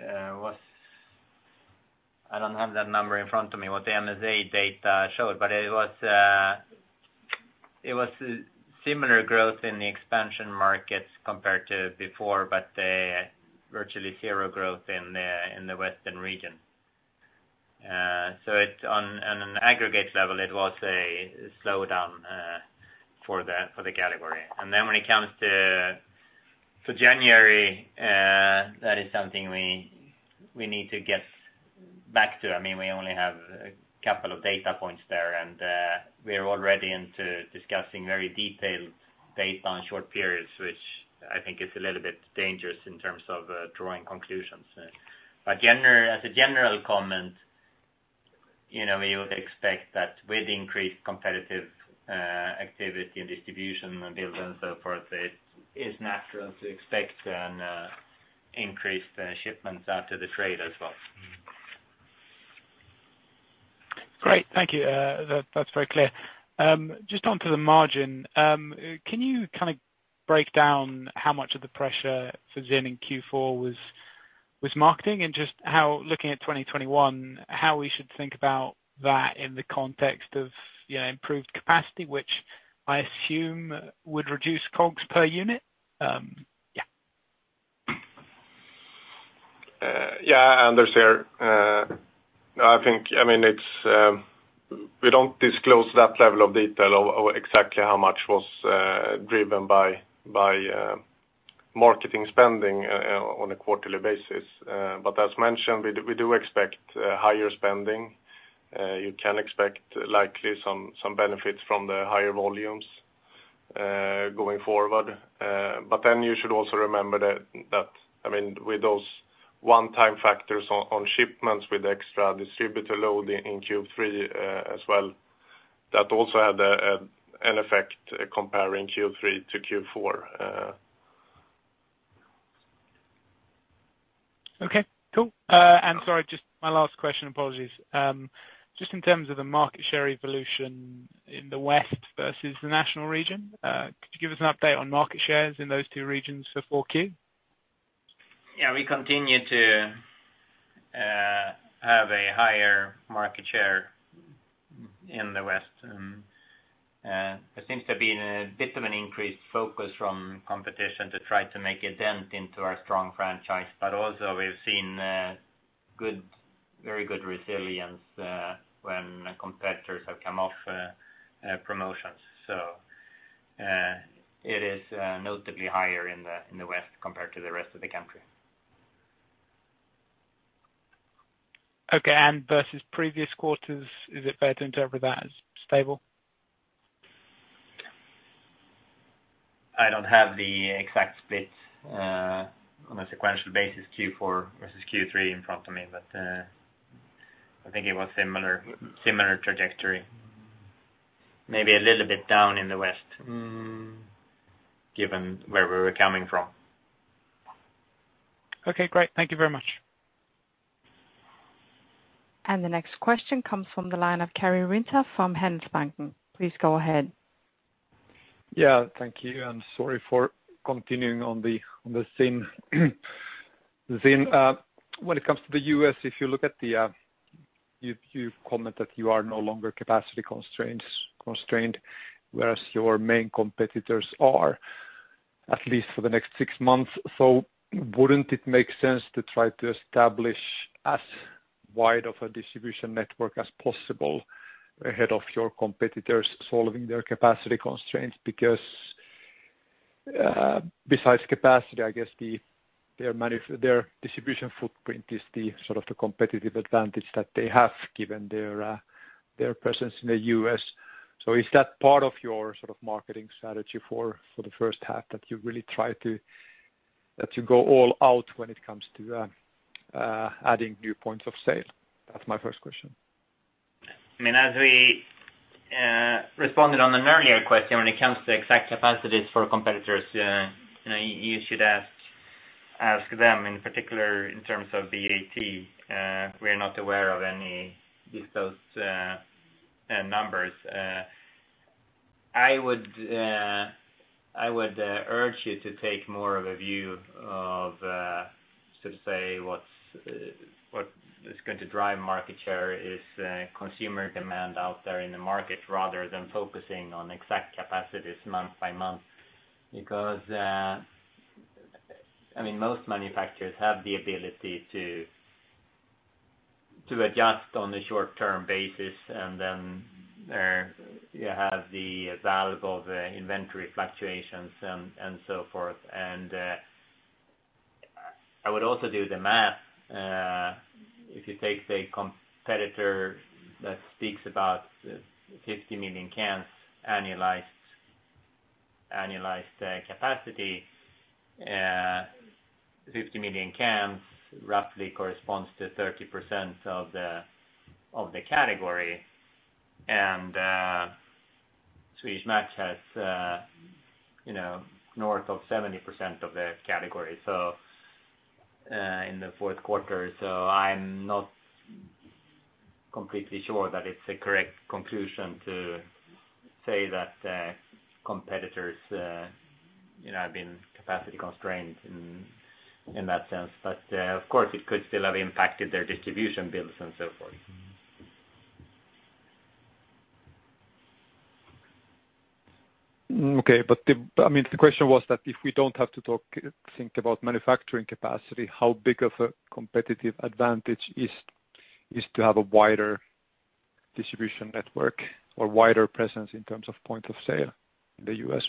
I don't have that number in front of me what the MSA data showed, but it was similar growth in the expansion markets compared to before, but virtually zero growth in the Western region. On an aggregate level, it was a slowdown for the category. When it comes to January, that is something we need to get back to. I mean, we only have a couple of data points there, and we are already into discussing very detailed data on short periods, which I think is a little bit dangerous in terms of drawing conclusions. As a general comment, you know, we would expect that with increased competitive activity and distribution and builds and so forth, it is natural to expect an increased shipments out to the trade as well. Great. Thank you. That's very clear. Just onto the margin. Can you kinda break down how much of the pressure for ZYN in Q4 was marketing and just how, looking at 2021, how we should think about that in the context of, you know, improved capacity, which I assume would reduce COGS per unit? Yeah, Anders here. I think, I mean, it's, we don't disclose that level of detail of exactly how much was driven by marketing spending on a quarterly basis. As mentioned, we do expect higher spending. You can expect likely some benefits from the higher volumes going forward. You should also remember that, I mean, with those one-time factors on shipments with extra distributor load in Q3 as well, that also had an effect comparing Q3 to Q4. Okay. Cool. Sorry, just my last question. Apologies. Just in terms of the market share evolution in the West versus the national region, could you give us an update on market shares in those two regions for 4Q? Yeah. We continue to have a higher market share in the West. There seems to be a bit of an increased focus from competition to try to make a dent into our strong franchise. Also we've seen very good resilience when competitors have come off promotions. It is notably higher in the West compared to the rest of the country. Okay. Versus previous quarters, is it fair to interpret that as stable? I don't have the exact split on a sequential basis, Q4 versus Q3 in front of me, but I think it was similar trajectory. Maybe a little bit down in the West, given where we were coming from. Okay, great. Thank you very much. The next question comes from the line of Kari Rinta from Handelsbanken. Please go ahead. Thank you, sorry for continuing on the same ZYN. When it comes to the U.S., if you look at the, you've commented you are no longer capacity constrained, whereas your main competitors are, at least for the next six months. Wouldn't it make sense to try to establish as wide of a distribution network as possible ahead of your competitors solving their capacity constraints? Besides capacity, I guess their distribution footprint is the sort of the competitive advantage that they have given their presence in the U.S. Is that part of your sort of marketing strategy for the first half, that you really go all out when it comes to adding new points of sale? That's my first question. I mean, as we responded on an earlier question, when it comes to exact capacities for competitors, you know, you should Ask them in particular in terms of BAT, we are not aware of any disclosed numbers. I would, I would urge you to take more of a view of sort of say what's what is going to drive market share is consumer demand out there in the market rather than focusing on exact capacities month by month. I mean, most manufacturers have the ability to adjust on a short-term basis, and then you have the value of inventory fluctuations and so forth. I would also do the math. If you take a competitor that speaks about 50 million cans annualized capacity, 50 million cans roughly corresponds to 30% of the category. Swedish Match has, you know, north of 70% of the category in the fourth quarter. I'm not completely sure that it's a correct conclusion to say that competitors, you know, have been capacity constrained in that sense. Of course, it could still have impacted their distribution builds and so forth. Okay. I mean, the question was that if we don't have to think about manufacturing capacity, how big of a competitive advantage is to have a wider distribution network or wider presence in terms of point of sale in the U.S.?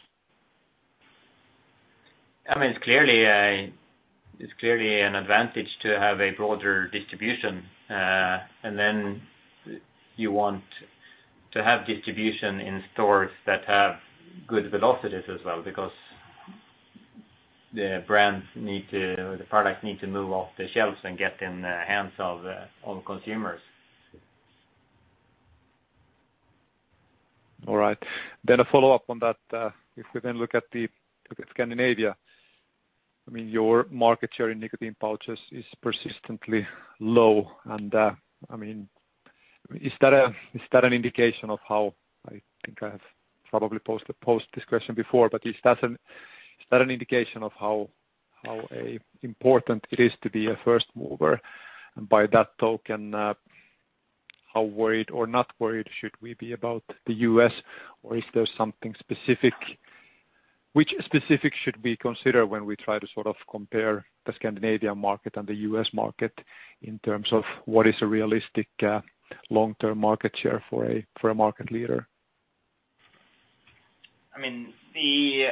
I mean, it's clearly an advantage to have a broader distribution. Then you want to have distribution in stores that have good velocities as well, because The products need to move off the shelves and get in the hands of consumers. All right. A follow-up on that. If we look at Scandinavia, I mean, your market share in nicotine pouches is persistently low and, I mean, is that an indication of how I think I have probably posed this question before, but is that an indication of how an important it is to be a first mover? By that token, how worried or not worried should we be about the U.S., or is there something specific? Which specific should we consider when we try to sort of compare the Scandinavian market and the U.S. market in terms of what is a realistic, long-term market share for a, for a market leader? The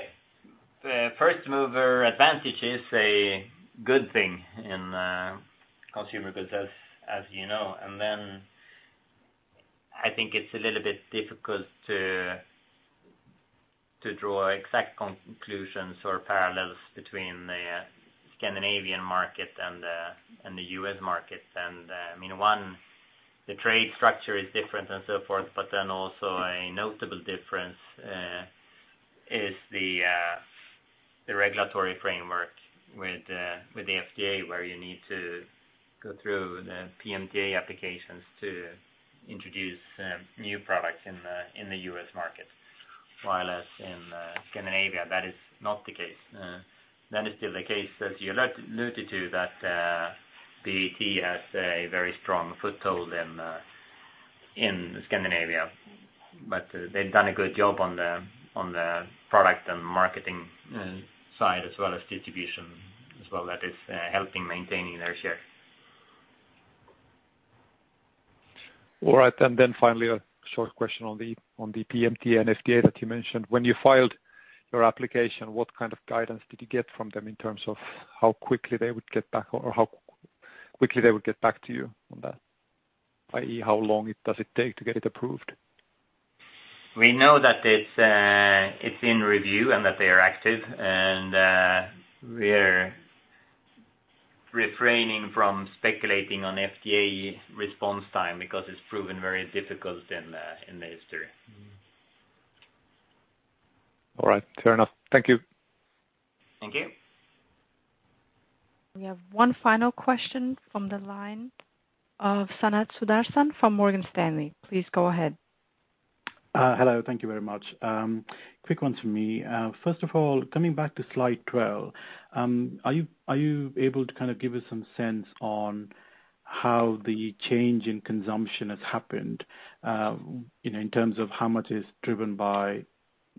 first mover advantage is a good thing in consumer goods, as you know. I think it's a little bit difficult to draw exact conclusions or parallels between the Scandinavian market and the U.S. market. One, the trade structure is different and so forth, a notable difference is the regulatory framework with the FDA, where you need to go through the PMTA applications to introduce new products in the U.S. market. While as in Scandinavia, that is not the case. That is still the case, as you alluded to, that BAT has a very strong foothold in Scandinavia. They've done a good job on the product and marketing side as well as distribution as well that is helping maintaining their share. All right. Then finally, a short question on the PMTA and FDA that you mentioned. When you filed your application, what kind of guidance did you get from them in terms of how quickly they would get back to you on that? i.e. how long it does it take to get it approved? We know that it's in review and that they are active and, we're refraining from speculating on FDA response time because it's proven very difficult in the history. All right. Fair enough. Thank you. Thank you. We have one final question from the line of Sanath Sudarsan from Morgan Stanley. Please go ahead. Hello. Thank you very much. Quick one from me. First of all, coming back to slide 12, are you able to kind of give us some sense on how the change in consumption has happened, you know, in terms of how much is driven by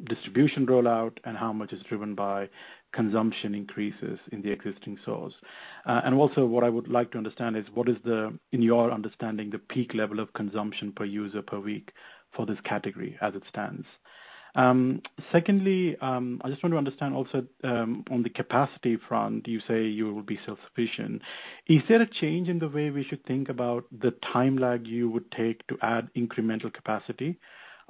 distribution rollout and how much is driven by consumption increases in the existing source? What I would like to understand is what is the, in your understanding, the peak level of consumption per user per week for this category as it stands? Secondly, I just want to understand also, on the capacity front, you say you will be self-sufficient. Is there a change in the way we should think about the time lag you would take to add incremental capacity?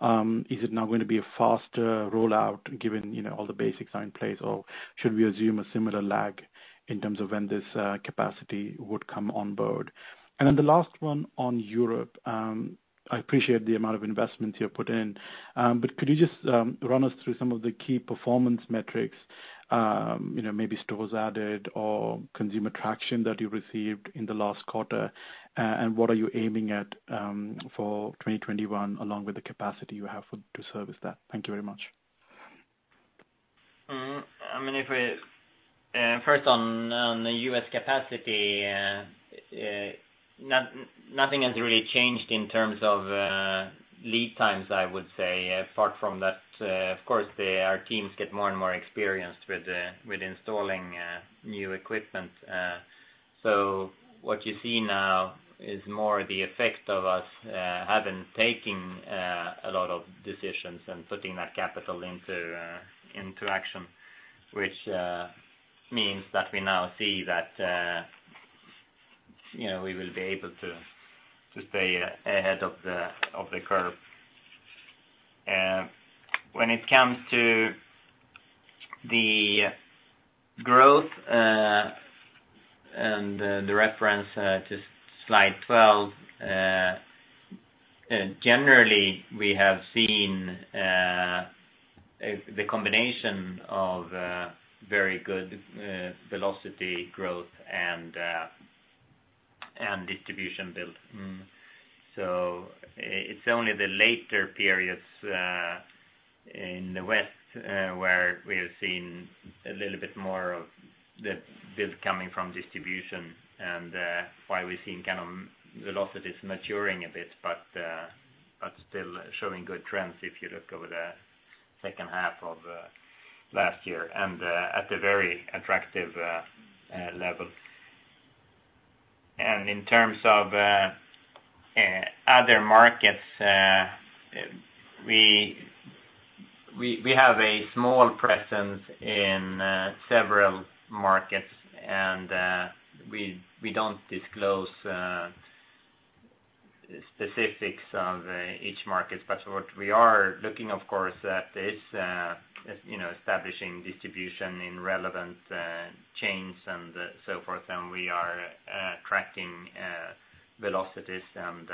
Is it now going to be a faster rollout given, you know, all the basics are in place, or should we assume a similar lag in terms of when this capacity would come on board? The last one on Europe, I appreciate the amount of investment you put in, but could you just run us through some of the key performance metrics, you know, maybe stores added or consumer traction that you received in the last quarter, and what are you aiming at for 2021 along with the capacity you have for, to service that? Thank you very much. I mean, if we, first on the U.S. capacity, nothing has really changed in terms of lead times, I would say. Apart from that, of course, our teams get more and more experienced with installing new equipment. What you see now is more the effect of us having taking a lot of decisions and putting that capital into action. Which means that we now see that, you know, we will be able to stay ahead of the curve. When it comes to the growth and the reference to slide 12. Generally, we have seen the combination of very good velocity growth and distribution build. It's only the later periods in the West where we have seen a little bit more of the build coming from distribution and why we've seen kind of velocities maturing a bit. Still showing good trends if you look over the second half of last year and at a very attractive level. In terms of other markets, we have a small presence in several markets and we don't disclose specifics of each market. What we are looking, of course, at is, you know, establishing distribution in relevant chains and so forth. We are tracking velocities and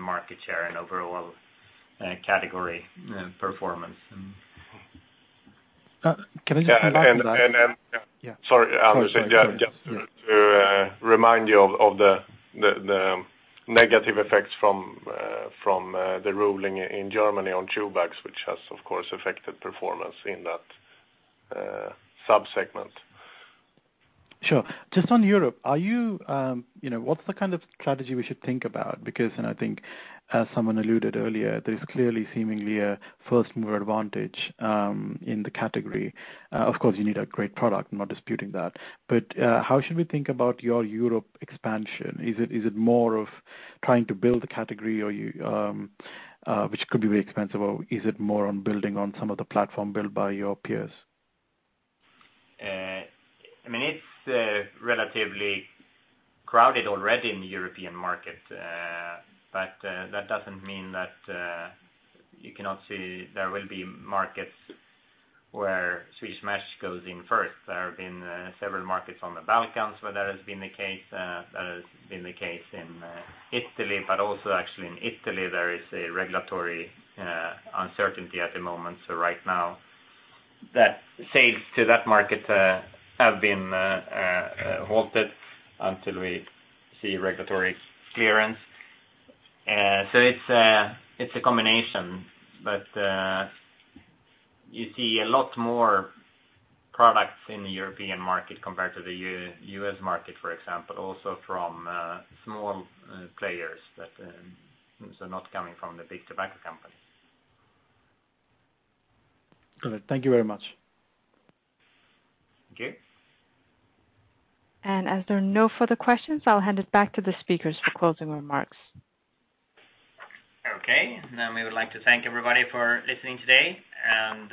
market share and overall category performance. Can I just come back to that? Sorry, Anders. Just to remind you of the negative effects from the ruling in Germany on chew bags, which has, of course, affected performance in that sub-segment. Sure. Just on Europe, you know, what's the kind of strategy we should think about? I think as someone alluded earlier, there's clearly seemingly a first-mover advantage in the category. Of course, you need a great product, I'm not disputing that. How should we think about your Europe expansion? Is it more of trying to build a category which could be very expensive or is it more on building on some of the platform built by your peers? I mean, it's relatively crowded already in the European market. That doesn't mean that you cannot see there will be markets where Swedish Match goes in first. There have been several markets on the Balkans where that has been the case. That has been the case in Italy, but also actually in Italy, there is a regulatory uncertainty at the moment. Right now, that sales to that market have been halted until we see regulatory clearance. It's a combination, but you see a lot more products in the European market compared to the U.S. market, for example, also from small players that not coming from the big tobacco companies. All right. Thank you very much. Okay. As there are no further questions, I'll hand it back to the speakers for closing remarks. Okay. We would like to thank everybody for listening today and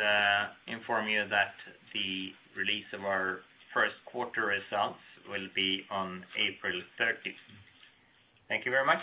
inform you that the release of our first quarter results will be on April 30th. Thank you very much.